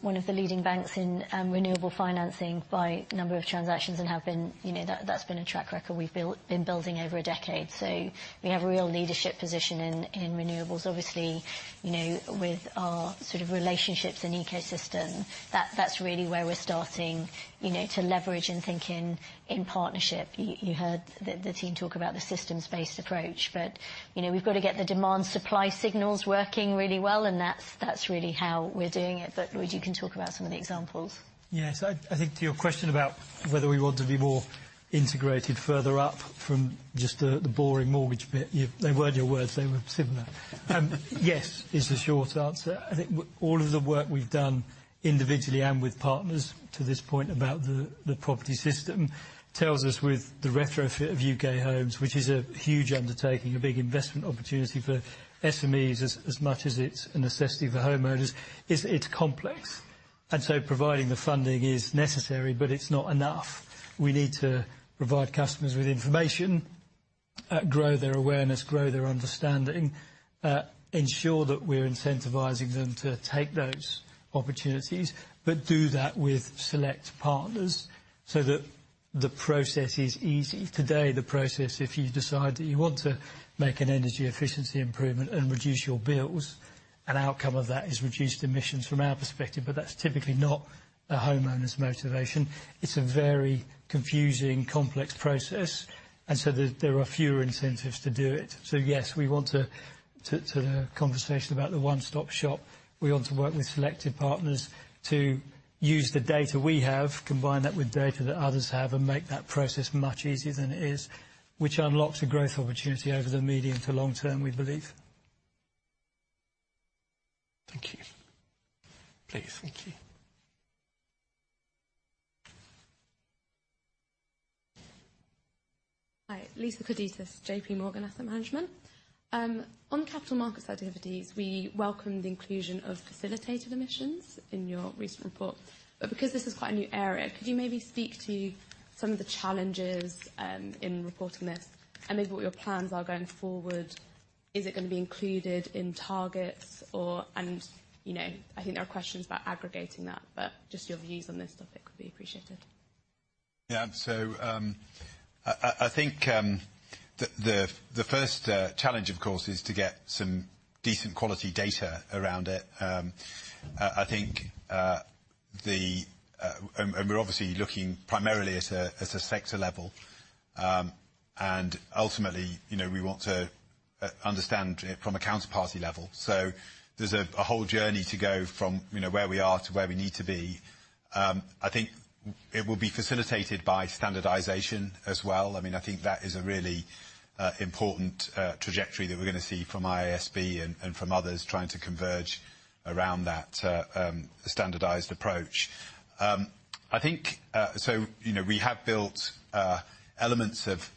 one of the leading banks in renewable financing by number of transactions and have been, you know. That's been a track record we've built, been building over a decade. We have a real leadership position in renewables. Obviously, you know, with our sort of relationships and ecosystem, that's really where we're starting, you know, to leverage and think in partnership. You heard the team talk about the systems-based approach. You know, we've got to get the demand supply signals working really well, and that's really how we're doing it. Lloyd, you can talk about some of the examples. Yes. I think to your question about whether we want to be more integrated further up from just the boring mortgage bit, you. They weren't your words, they were similar. Yes is the short answer. I think all of the work we've done individually and with partners to this point about the property system tells us with the retrofit of U.K. homes, which is a huge undertaking, a big investment opportunity for SMEs as much as it's a necessity for homeowners, is it's complex. Providing the funding is necessary, but it's not enough. We need to provide customers with information, grow their awareness, grow their understanding, ensure that we're incentivizing them to take those opportunities. Do that with select partners so that the process is easy. Today, the process, if you decide that you want to make an energy efficiency improvement and reduce your bills, an outcome of that is reduced emissions from our perspective, but that's typically not a homeowner's motivation. It's a very confusing, complex process, there are fewer incentives to do it. Yes, we want to the conversation about the one-stop shop. We want to work with selected partners to use the data we have, combine that with data that others have, and make that process much easier than it is, which unlocks a growth opportunity over the medium to long term, we believe. Thank you. Please. Thank you. Hi. Lisa Kladitis, JPMorgan Asset Management. On capital markets activities, we welcome the inclusion of facilitated emissions in your recent report. Because this is quite a new area, could you maybe speak to some of the challenges in reporting this? Maybe what your plans are going forward. Is it gonna be included in targets or... You know, I think there are questions about aggregating that, but just your views on this topic would be appreciated. Yeah. I think the first challenge of course is to get some decent quality data around it. We're obviously looking primarily at a sector level. Ultimately, you know, we want to understand it from a counterparty level. There's a whole journey to go from, you know, where we are to where we need to be. I think it will be facilitated by standardization as well. I mean, I think that is a really important trajectory that we're gonna see from IASB and from others trying to converge around that standardized approach. I think, you know, we have built elements of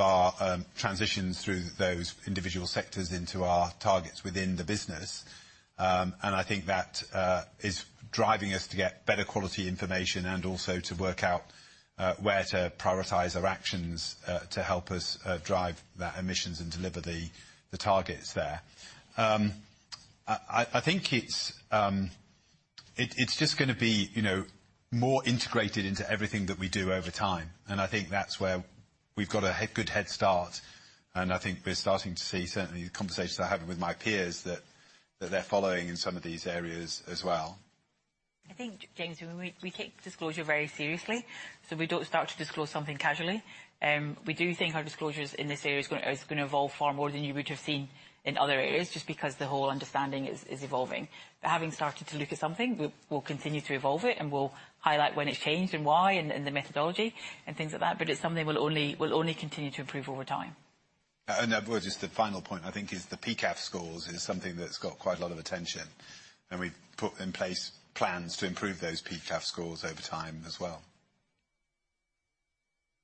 our transitions through those individual sectors into our targets within the business. I think that is driving us to get better quality information and also to work out where to prioritize our actions to help us drive the emissions and deliver the targets there. I think it's just gonna be, you know, more integrated into everything that we do over time, and I think that's where we've got a good head start. I think we're starting to see, certainly the conversations I have with my peers, that they're following in some of these areas as well. I think, James, we take disclosure very seriously, so we don't start to disclose something casually. We do think our disclosures in this area is gonna evolve far more than you would have seen in other areas just because the whole understanding is evolving. Having started to look at something, we'll continue to evolve it and we'll highlight when it's changed and why in the methodology and things like that, but it's something we'll only continue to improve over time. Just the final point, I think, is the PCAF scores is something that's got quite a lot of attention, and we've put in place plans to improve those PCAF scores over time as well.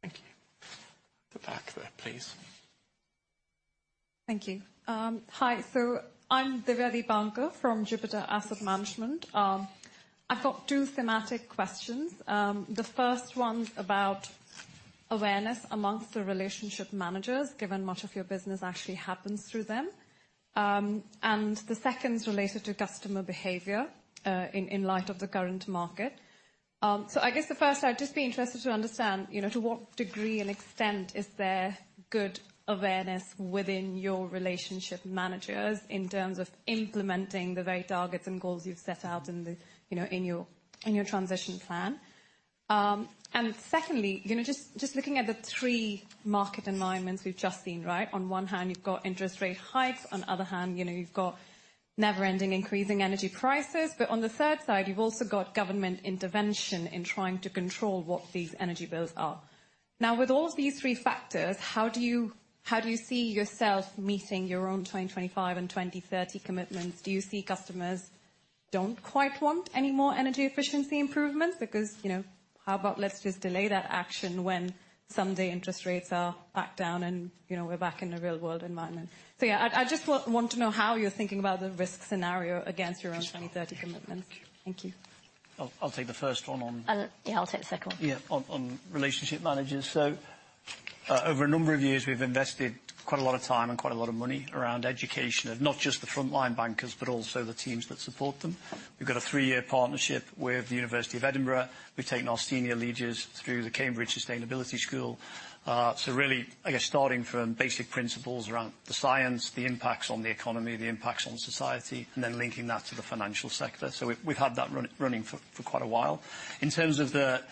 Thank you. At the back there, please. Thank you. Hi. I'm Divya Deepankar from Jupiter Asset Management. I've got two thematic questions. The first one's about awareness amongst the relationship managers, given much of your business actually happens through them. The second's related to customer behavior, in light of the current market. I guess the first, I'd just be interested to understand, you know, to what degree and extent is there good awareness within your relationship managers in terms of implementing the very targets and goals you've set out in the, you know, in your, in your transition plan? Secondly, you know, just looking at the three market environments we've just seen, right? On one hand you've got interest rate hikes, on the other hand, you know, you've got never-ending increasing energy prices. On the third side, you've also got government intervention in trying to control what these energy bills are. With all these three factors, how do you see yourself meeting your own 2025 and 2030 commitments? Do you see customers don't quite want any more energy efficiency improvements? Because, you know, how about let's just delay that action when someday interest rates are back down and, you know, we're back in a real-world environment. Yeah, I'd just want to know how you're thinking about the risk scenario against your own 2030 commitments. Sure. Thank you. I'll take the first one. Yeah, I'll take the second one.... yeah, on relationship managers. Over a number of years, we've invested quite a lot of time and quite a lot of money around education of not just the frontline bankers, but also the teams that support them. We've got a three-year partnership with The University of Edinburgh. We've taken our senior leaders through the Cambridge Sustainability School. Really, I guess starting from basic principles around the science, the impacts on the economy, the impacts on society, and then linking that to the financial sector. We've had that running for quite a while. In terms of the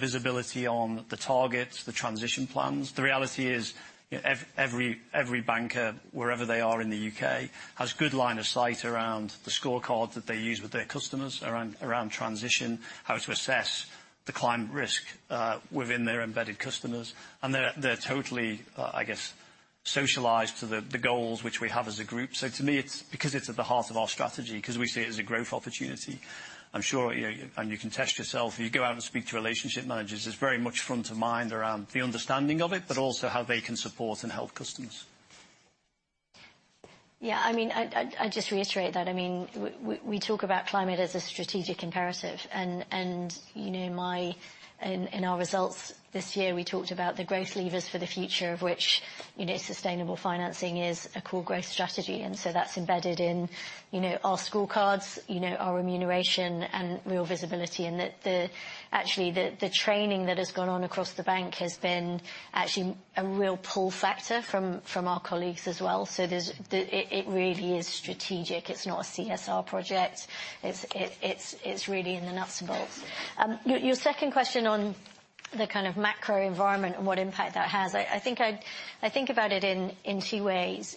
visibility on the targets, the transition plans, the reality is, you know, every banker, wherever they are in the U.K., has good line of sight around the scorecard that they use with their customers around transition, how to assess the climate risk within their embedded customers. They're totally, I guess socialized to the goals which we have as a group. To me, it's because it's at the heart of our strategy, 'cause we see it as a growth opportunity. You can test yourself, you go out and speak to relationship managers, it's very much front of mind around the understanding of it, but also how they can support and help customers. Yeah. I mean, I'd just reiterate that. I mean, we talk about climate as a strategic imperative and, you know, in our results this year, we talked about the growth levers for the future of which, you know, sustainable financing is a core growth strategy. That's embedded in, you know, our scorecards, you know, our remuneration and real visibility. Actually, the training that has gone on across the bank has been actually a real pull factor from our colleagues as well. It really is strategic. It's not a CSR project. It's really in the nuts and bolts. Your second question on the kind of macro environment and what impact that has, I think about it in two ways.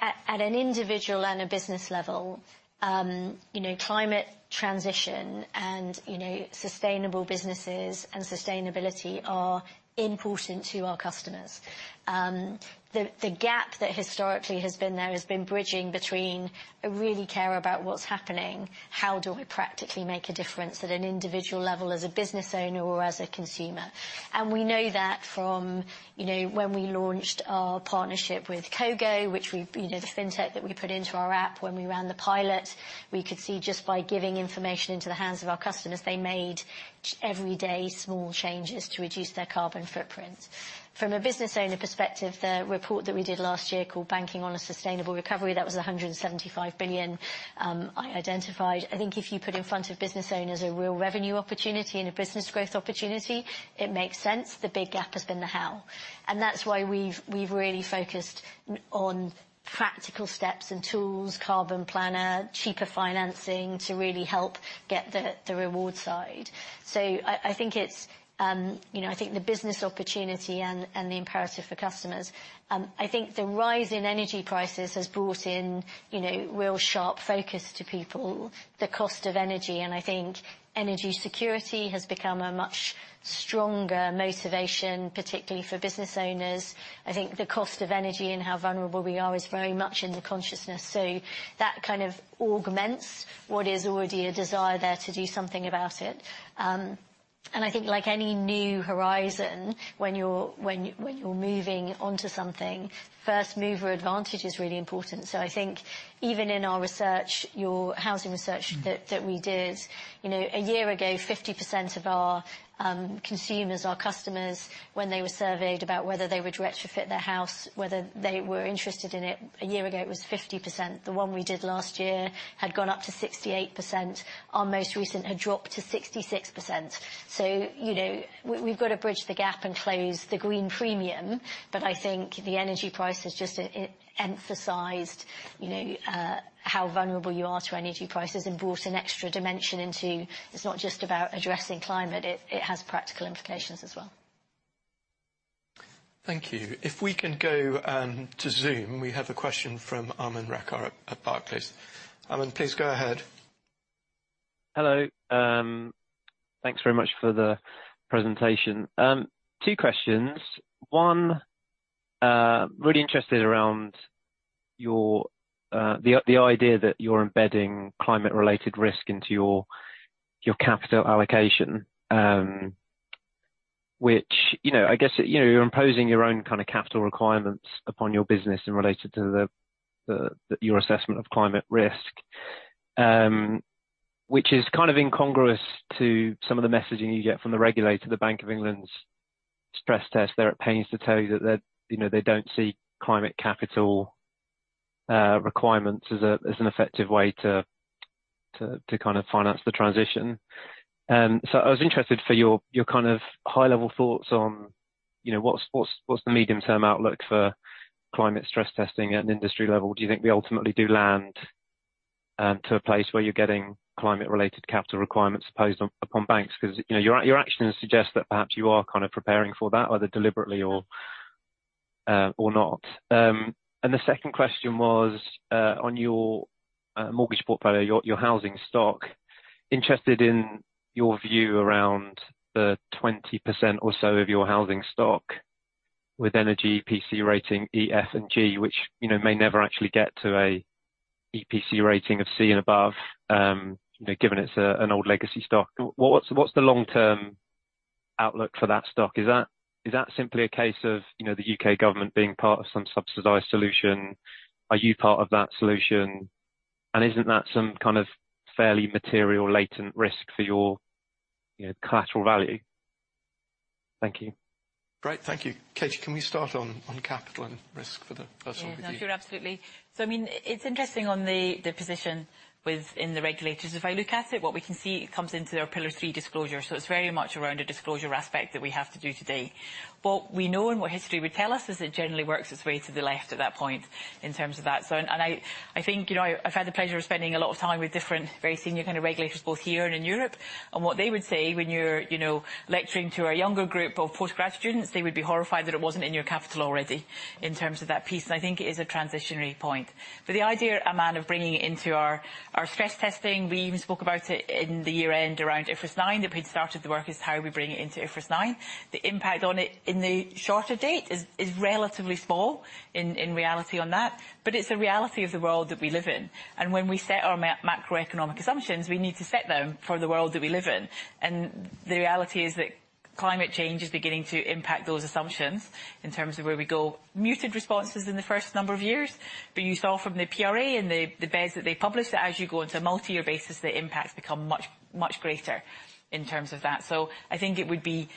At an individual and a business level, you know, climate transition and, you know, sustainable businesses and sustainability are important to our customers. The gap that historically has been there has been bridging between I really care about what's happening, how do I practically make a difference at an individual level as a business owner or as a consumer? We know that from, you know, when we launched our partnership with Cogo, you know, the fintech that we put into our app when we ran the pilot. We could see just by giving information into the hands of our customers, they made everyday small changes to reduce their carbon footprint. From a business owner perspective, the report that we did last year called A Springboard to Sustainable Recovery, that was 175 billion identified. I think if you put in front of business owners a real revenue opportunity and a business growth opportunity, it makes sense. The big gap has been the how. That's why we've really focused on practical steps and tools, Carbon Planner, cheaper financing to really help get the reward side. I think it's, you know, I think the business opportunity and the imperative for customers. I think the rise in energy prices has brought in, you know, real sharp focus to people, the cost of energy, and I think energy security has become a much stronger motivation, particularly for business owners. I think the cost of energy and how vulnerable we are is very much in the consciousness. That kind of augments what is already a desire there to do something about it. I think like any new horizon, when you're moving onto something, first mover advantage is really important. I think even in our research, your housing research. Mm-hmm. That we did, you know, a year ago, 50% of our consumers, our customers, when they were surveyed about whether they would retrofit their house, whether they were interested in it, a year ago it was 50%. The one we did last year had gone up to 68%. Our most recent had dropped to 66%. You know, we've got to bridge the gap and close the green premium. I think the energy price has just emphasized, you know, how vulnerable you are to energy prices and brought an extra dimension into, it's not just about addressing climate, it has practical implications as well. Thank you. If we can go to Zoom, we have a question from Aman Rakkar at Barclays. Aman, please go ahead. Hello. Thanks very much for the presentation. Two questions. One, really interested around your the idea that you're embedding climate related risk into your capital allocation, which, you know, I guess, you know, you're imposing your own kind of capital requirements upon your business and related to your assessment of climate risk. Which is kind of incongruous to some of the messaging you get from the regulator, the Bank of England's stress test. They're at pains to tell you that, you know, they don't see climate capital requirements as an effective way to kind of finance the transition. I was interested for your kind of high level thoughts on, you know, what's the medium term outlook for climate stress testing at an industry level? Do you think we ultimately do land to a place where you're getting climate-related capital requirements imposed upon banks? 'Cause your actions suggest that perhaps you are kind of preparing for that, either deliberately or not. The second question was on your mortgage portfolio, your housing stock. Interested in your view around the 20% or so of your housing stock with energy EPC rating E, F, and G, which may never actually get to an EPC rating of C and above, given it's an old legacy stock. What's the long-term outlook for that stock? Is that simply a case of the U.K. government being part of some subsidized solution? Are you part of that solution? Isn't that some kind of fairly material latent risk for your, you know, collateral value? Thank you. Great. Thank you. Katie, can we start on capital and risk for the personal view? Yeah. No, sure. Absolutely. I mean, it's interesting on the position within the regulators. If I look at it, what we can see comes into their Pillar 3 disclosure. It's very much around a disclosure aspect that we have to do today. What we know and what history would tell us is it generally works its way to the left at that point in terms of that. I think, you know, I've had the pleasure of spending a lot of time with different very senior kind of regulators both here and in Europe, and what they would say when you're, you know, lecturing to a younger group of post-grad students, they would be horrified that it wasn't in your capital already in terms of that piece. I think it is a transitionary point. The idea, Aman, of bringing it into our stress testing, we even spoke about it in the year end around IFRS 9, that we'd started the work is how we bring it into IFRS 9. The impact on it in the shorter date is relatively small in reality on that, it's a reality of the world that we live in. When we set our macroeconomic assumptions, we need to set them for the world that we live in. The reality is that climate change is beginning to impact those assumptions in terms of where we go. Muted responses in the first number of years, you saw from the PRA and the BES that they published that as you go into a multi-year basis, the impacts become much, much greater in terms of that. I think it would be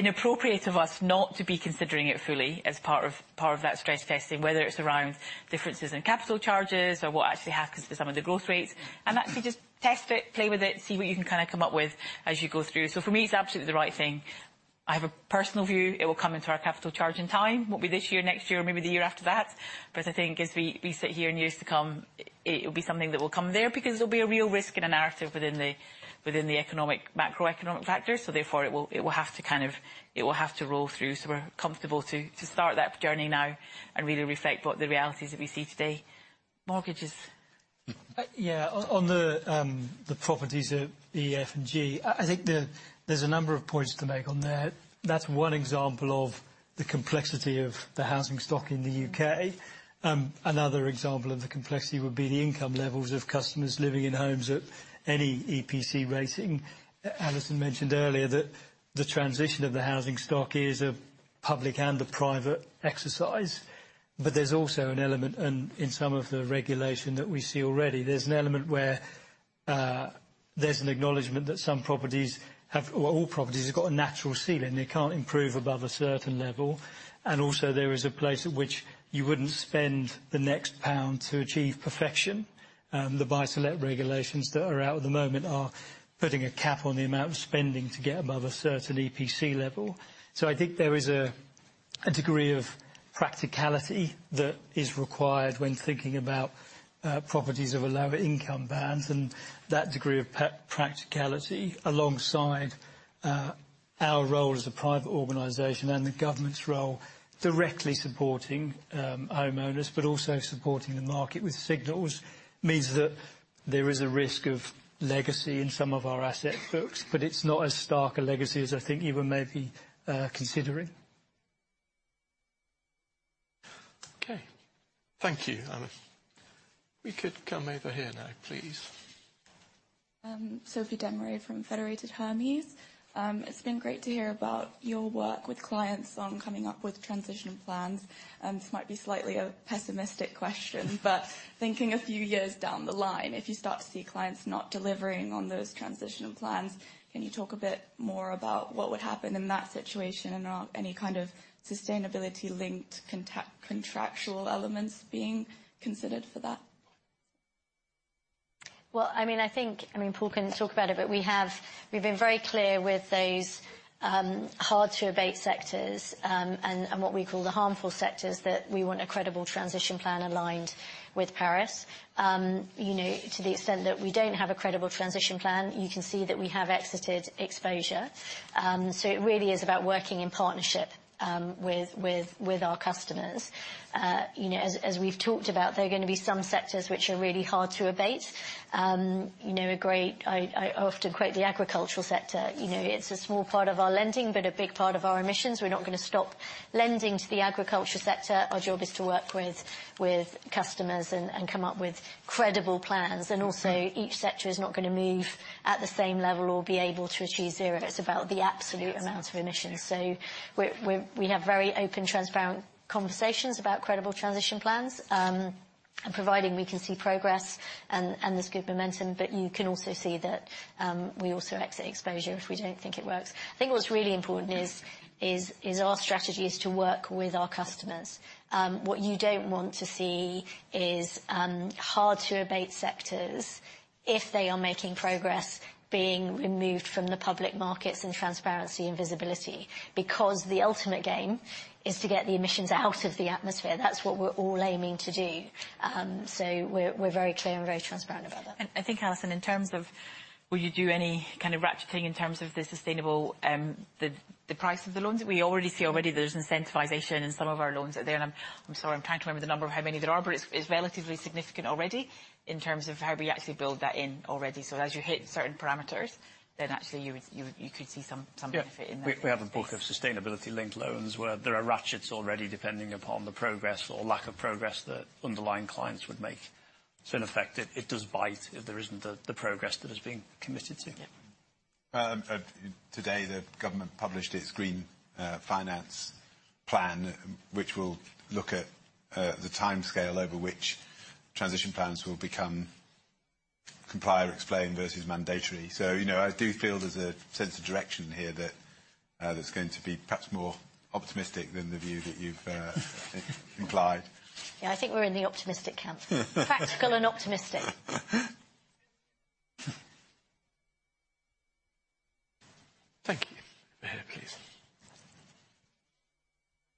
inappropriate of us not to be considering it fully as part of that stress testing, whether it's around differences in capital charges or what actually happens to some of the growth rates. Actually just test it, play with it, see what you can kind of come up with as you go through. For me, it's absolutely the right thing. I have a personal view. It will come into our capital charge in time. Won't be this year, next year, or maybe the year after that. I think as we sit here in years to come, it will be something that will come there because there'll be a real risk and a narrative within the economic, macroeconomic factors. Therefore it will have to kind of roll through. We're comfortable to start that journey now and really reflect what the realities that we see today. Mortgages. On the properties at E, F, and G, I think there's a number of points to make on there. That's one example of the complexity of the housing stock in the U.K. Another example of the complexity would be the income levels of customers living in homes at any EPC rating. Alison mentioned earlier that the transition of the housing stock is a public and a private exercise, but there's also an element in some of the regulation that we see already. There's an element where there's an acknowledgement that all properties have got a natural ceiling. They can't improve above a certain level. Also, there is a place at which you wouldn't spend the next pound to achieve perfection. The buy-to-let regulations that are out at the moment are putting a cap on the amount of spending to get above a certain EPC level. I think there is a degree of practicality that is required when thinking about properties of a lower income band. That degree of practicality alongside our role as a private organization and the government's role directly supporting homeowners, but also supporting the market with signals, means that there is a risk of legacy in some of our asset books, but it's not as stark a legacy as I think you were maybe considering. Okay. Thank you, Aman. We could come over here now, please. Sophie Demaré from Federated Hermes. It's been great to hear about your work with clients on coming up with transition plans. This might be slightly a pessimistic question, but thinking a few years down the line, if you start to see clients not delivering on those transitional plans, can you talk a bit more about what would happen in that situation and are any kind of sustainability linked contractual elements being considered for that? Well, I mean, I think, I mean, Paul can talk about it, but we have, we've been very clear with those hard to abate sectors and what we call the harmful sectors that we want a credible transition plan aligned with Paris. You know, to the extent that we don't have a credible transition plan, you can see that we have exited exposure. It really is about working in partnership with our customers. You know, as we've talked about, there are gonna be some sectors which are really hard to abate. You know, I often quote the agricultural sector. You know, it's a small part of our lending, but a big part of our emissions. We're not gonna stop lending to the agriculture sector. Our job is to work with customers and come up with credible plans. Also each sector is not gonna move at the same level or be able to achieve zero. It's about the absolute amount of emissions. We have very open, transparent conversations about credible transition plans, providing we can see progress and there's good momentum. You can also see that we also exit exposure if we don't think it works. I think what's really important is our strategy is to work with our customers. What you don't want to see is hard to abate sectors if they are making progress being removed from the public markets and transparency and visibility, because the ultimate game is to get the emissions out of the atmosphere. That's what we're all aiming to do. We're very clear and very transparent about that. I think, Alison, in terms of will you do any kind of ratcheting in terms of the sustainable price of the loans? We already see already there's incentivization in some of our loans are there. I'm sorry, I'm trying to remember the number of how many there are, but it's relatively significant already in terms of how we actually build that in already. As you hit certain parameters, then actually you would, you could see some benefit in there. Yeah. We have a book of sustainability-linked loans where there are ratchets already, depending upon the progress or lack of progress that underlying clients would make. In effect, it does bite if there isn't the progress that is being committed to. Yeah. Today the government published its Green Finance Plan, which will look at the timescale over which transition plans will become comply or explain versus mandatory. You know, I do feel there's a sense of direction here that there's going to be perhaps more optimistic than the view that you've implied. Yeah, I think we're in the optimistic camp. Factual and optimistic. Thank you. Over here, please.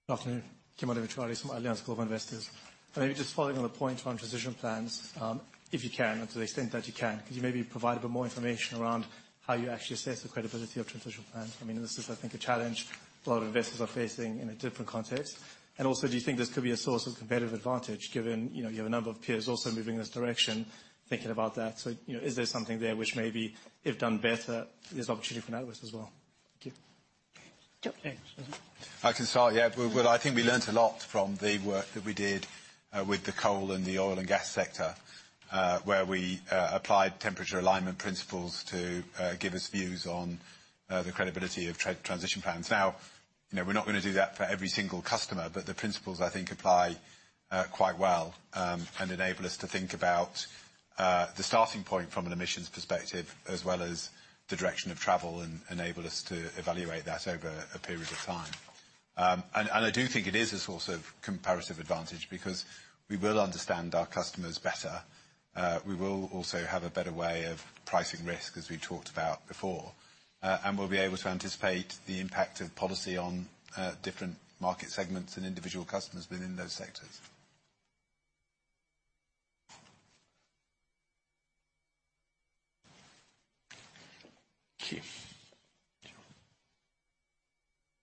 Good afternoon. Kimon Demetriades from Allianz Global Investors. Maybe just following on the point around transition plans, if you can, and to the extent that you can, could you maybe provide a bit more information around how you actually assess the credibility of transition plans? I mean, this is, I think, a challenge a lot of investors are facing in a different context. Also, do you think this could be a source of competitive advantage given, you know, you have a number of peers also moving in this direction, thinking about that. You know, is there something there which maybe if done better, there's opportunity for an outlet as well? Thank you. Sure. I can start, yeah. Well, I think we learnt a lot from the work that we did with the coal and the oil and gas sector, where we applied temperature alignment principles to give us views on the credibility of transition plans. Now, you know, we're not gonna do that for every single customer, but the principles I think apply quite well, and enable us to think about the starting point from an emissions perspective, as well as the direction of travel and enable us to evaluate that over a period of time. I do think it is a source of comparative advantage because we will understand our customers better. We will also have a better way of pricing risk, as we talked about before. We'll be able to anticipate the impact of policy on different market segments and individual customers within those sectors. Thank you.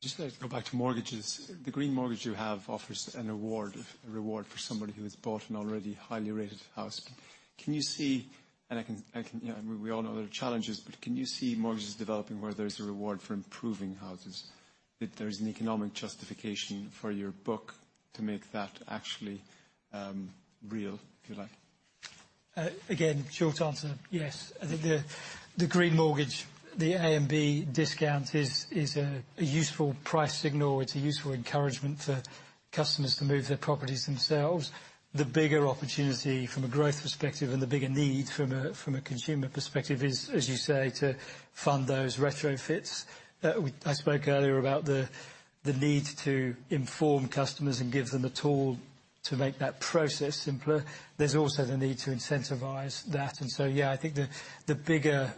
Just like to go back to mortgages. The Green Mortgage you have offers a reward for somebody who has bought an already highly rated house. I can, you know, we all know there are challenges, can you see mortgages developing where there's a reward for improving houses? That there is an economic justification for your book to make that actually, real, if you like. Again, short answer, yes. I think the Green Mortgage, the A and B discount is a useful price signal. It's a useful encouragement for customers to move their properties themselves. The bigger opportunity from a growth perspective and the bigger need from a consumer perspective is, as you say, to fund those retrofits. I spoke earlier about the need to inform customers and give them a tool to make that process simpler. There's also the need to incentivize that. Yeah, I think the bigger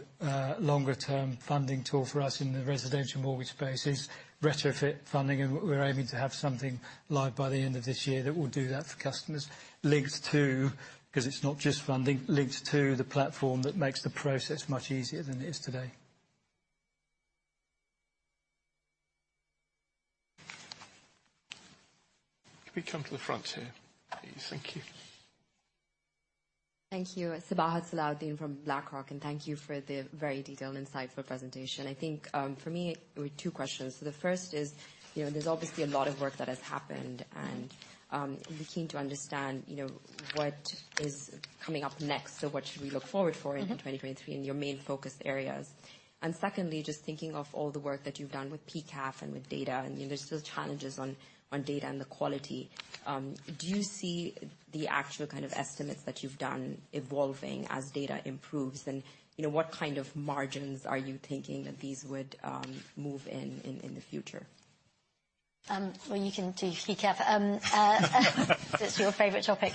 longer term funding tool for us in the residential mortgage space is retrofit funding, and we're aiming to have something live by the end of this year that will do that for customers. Linked to, 'cause it's not just funding, linked to the platform that makes the process much easier than it is today. Can we come to the front here, please? Thank you. Thank you. Sabahat Salahuddin from BlackRock, thank you for the very detailed insightful presentation. I think, for me, we've two questions. The first is, you know, there's obviously a lot of work that has happened, and we're keen to understand, you know, what is coming up next or what should we look forward for in 2023 and your main focus areas. Secondly, just thinking of all the work that you've done with PCAF and with data, and there's still challenges on data and the quality, do you see the actual kind of estimates that you've done evolving as data improves? You know, what kind of margins are you thinking that these would move in the future? Well, you can do PCAF. It's your favorite topic.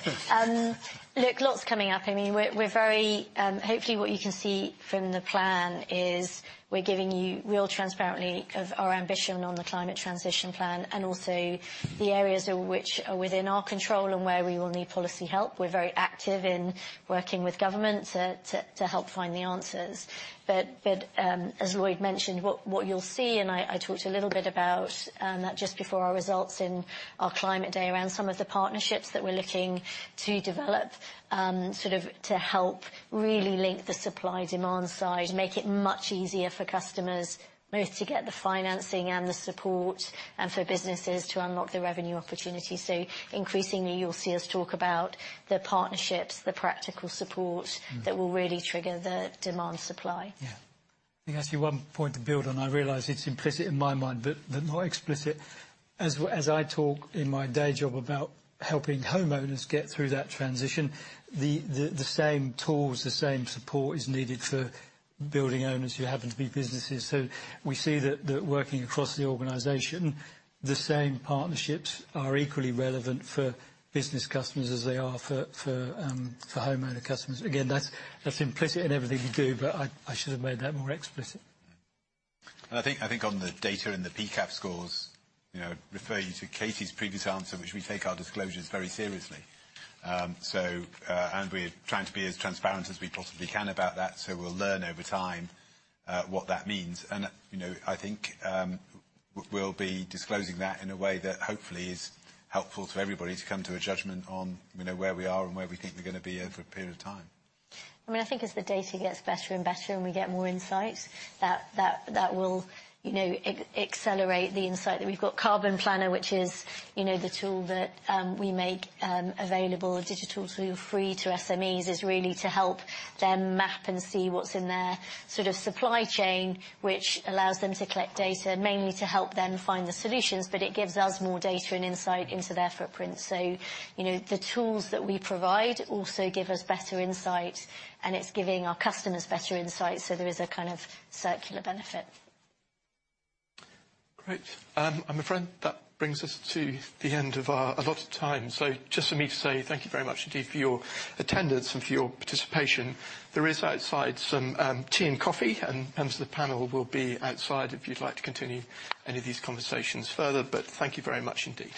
Look, lots coming up. I mean, we're very. Hopefully what you can see from the plan is we're giving you real transparency of our ambition on the climate transition plan and also the areas which are within our control and where we will need policy help. We're very active in working with government to help find the answers. As Lloyd mentioned, what you'll see, and I talked a little bit about that just before our results in our climate day, around some of the partnerships that we're looking to develop, sort of to help really link the supply/demand side, make it much easier for customers both to get the financing and the support, and for businesses to unlock the revenue opportunities. Increasingly, you'll see us talk about the partnerships, the practical support. Mm. that will really trigger the demand/supply. Yeah. I think actually one point to build on, I realize it's implicit in my mind, but more explicit, as I talk in my day job about helping homeowners get through that transition, the same tools, the same support is needed for building owners who happen to be businesses. We see that working across the organization, the same partnerships are equally relevant for business customers as they are for homeowner customers. Again, that's implicit in everything we do, but I should have made that more explicit. I think on the data and the PCAF scores, you know, refer you to Katie's previous answer, which we take our disclosures very seriously. We're trying to be as transparent as we possibly can about that, so we'll learn over time what that means. you know, I think, we'll be disclosing that in a way that hopefully is helpful to everybody to come to a judgment on, you know, where we are and where we think we're gonna be over a period of time. I mean, I think as the data gets better and better and we get more insight, that will, you know, accelerate the insight. We've got Carbon Planner, which is, you know, the tool that we make available digital tool free to SMEs, is really to help them map and see what's in their sort of supply chain, which allows them to collect data, mainly to help them find the solutions, but it gives us more data and insight into their footprint. You know, the tools that we provide also give us better insight, and it's giving our customers better insight, so there is a kind of circular benefit. Great. My friend, that brings us to the end of our allotted time. Just for me to say thank you very much indeed for your attendance and for your participation. There is outside some tea and coffee, and members of the panel will be outside if you'd like to continue any of these conversations further. Thank you very much indeed.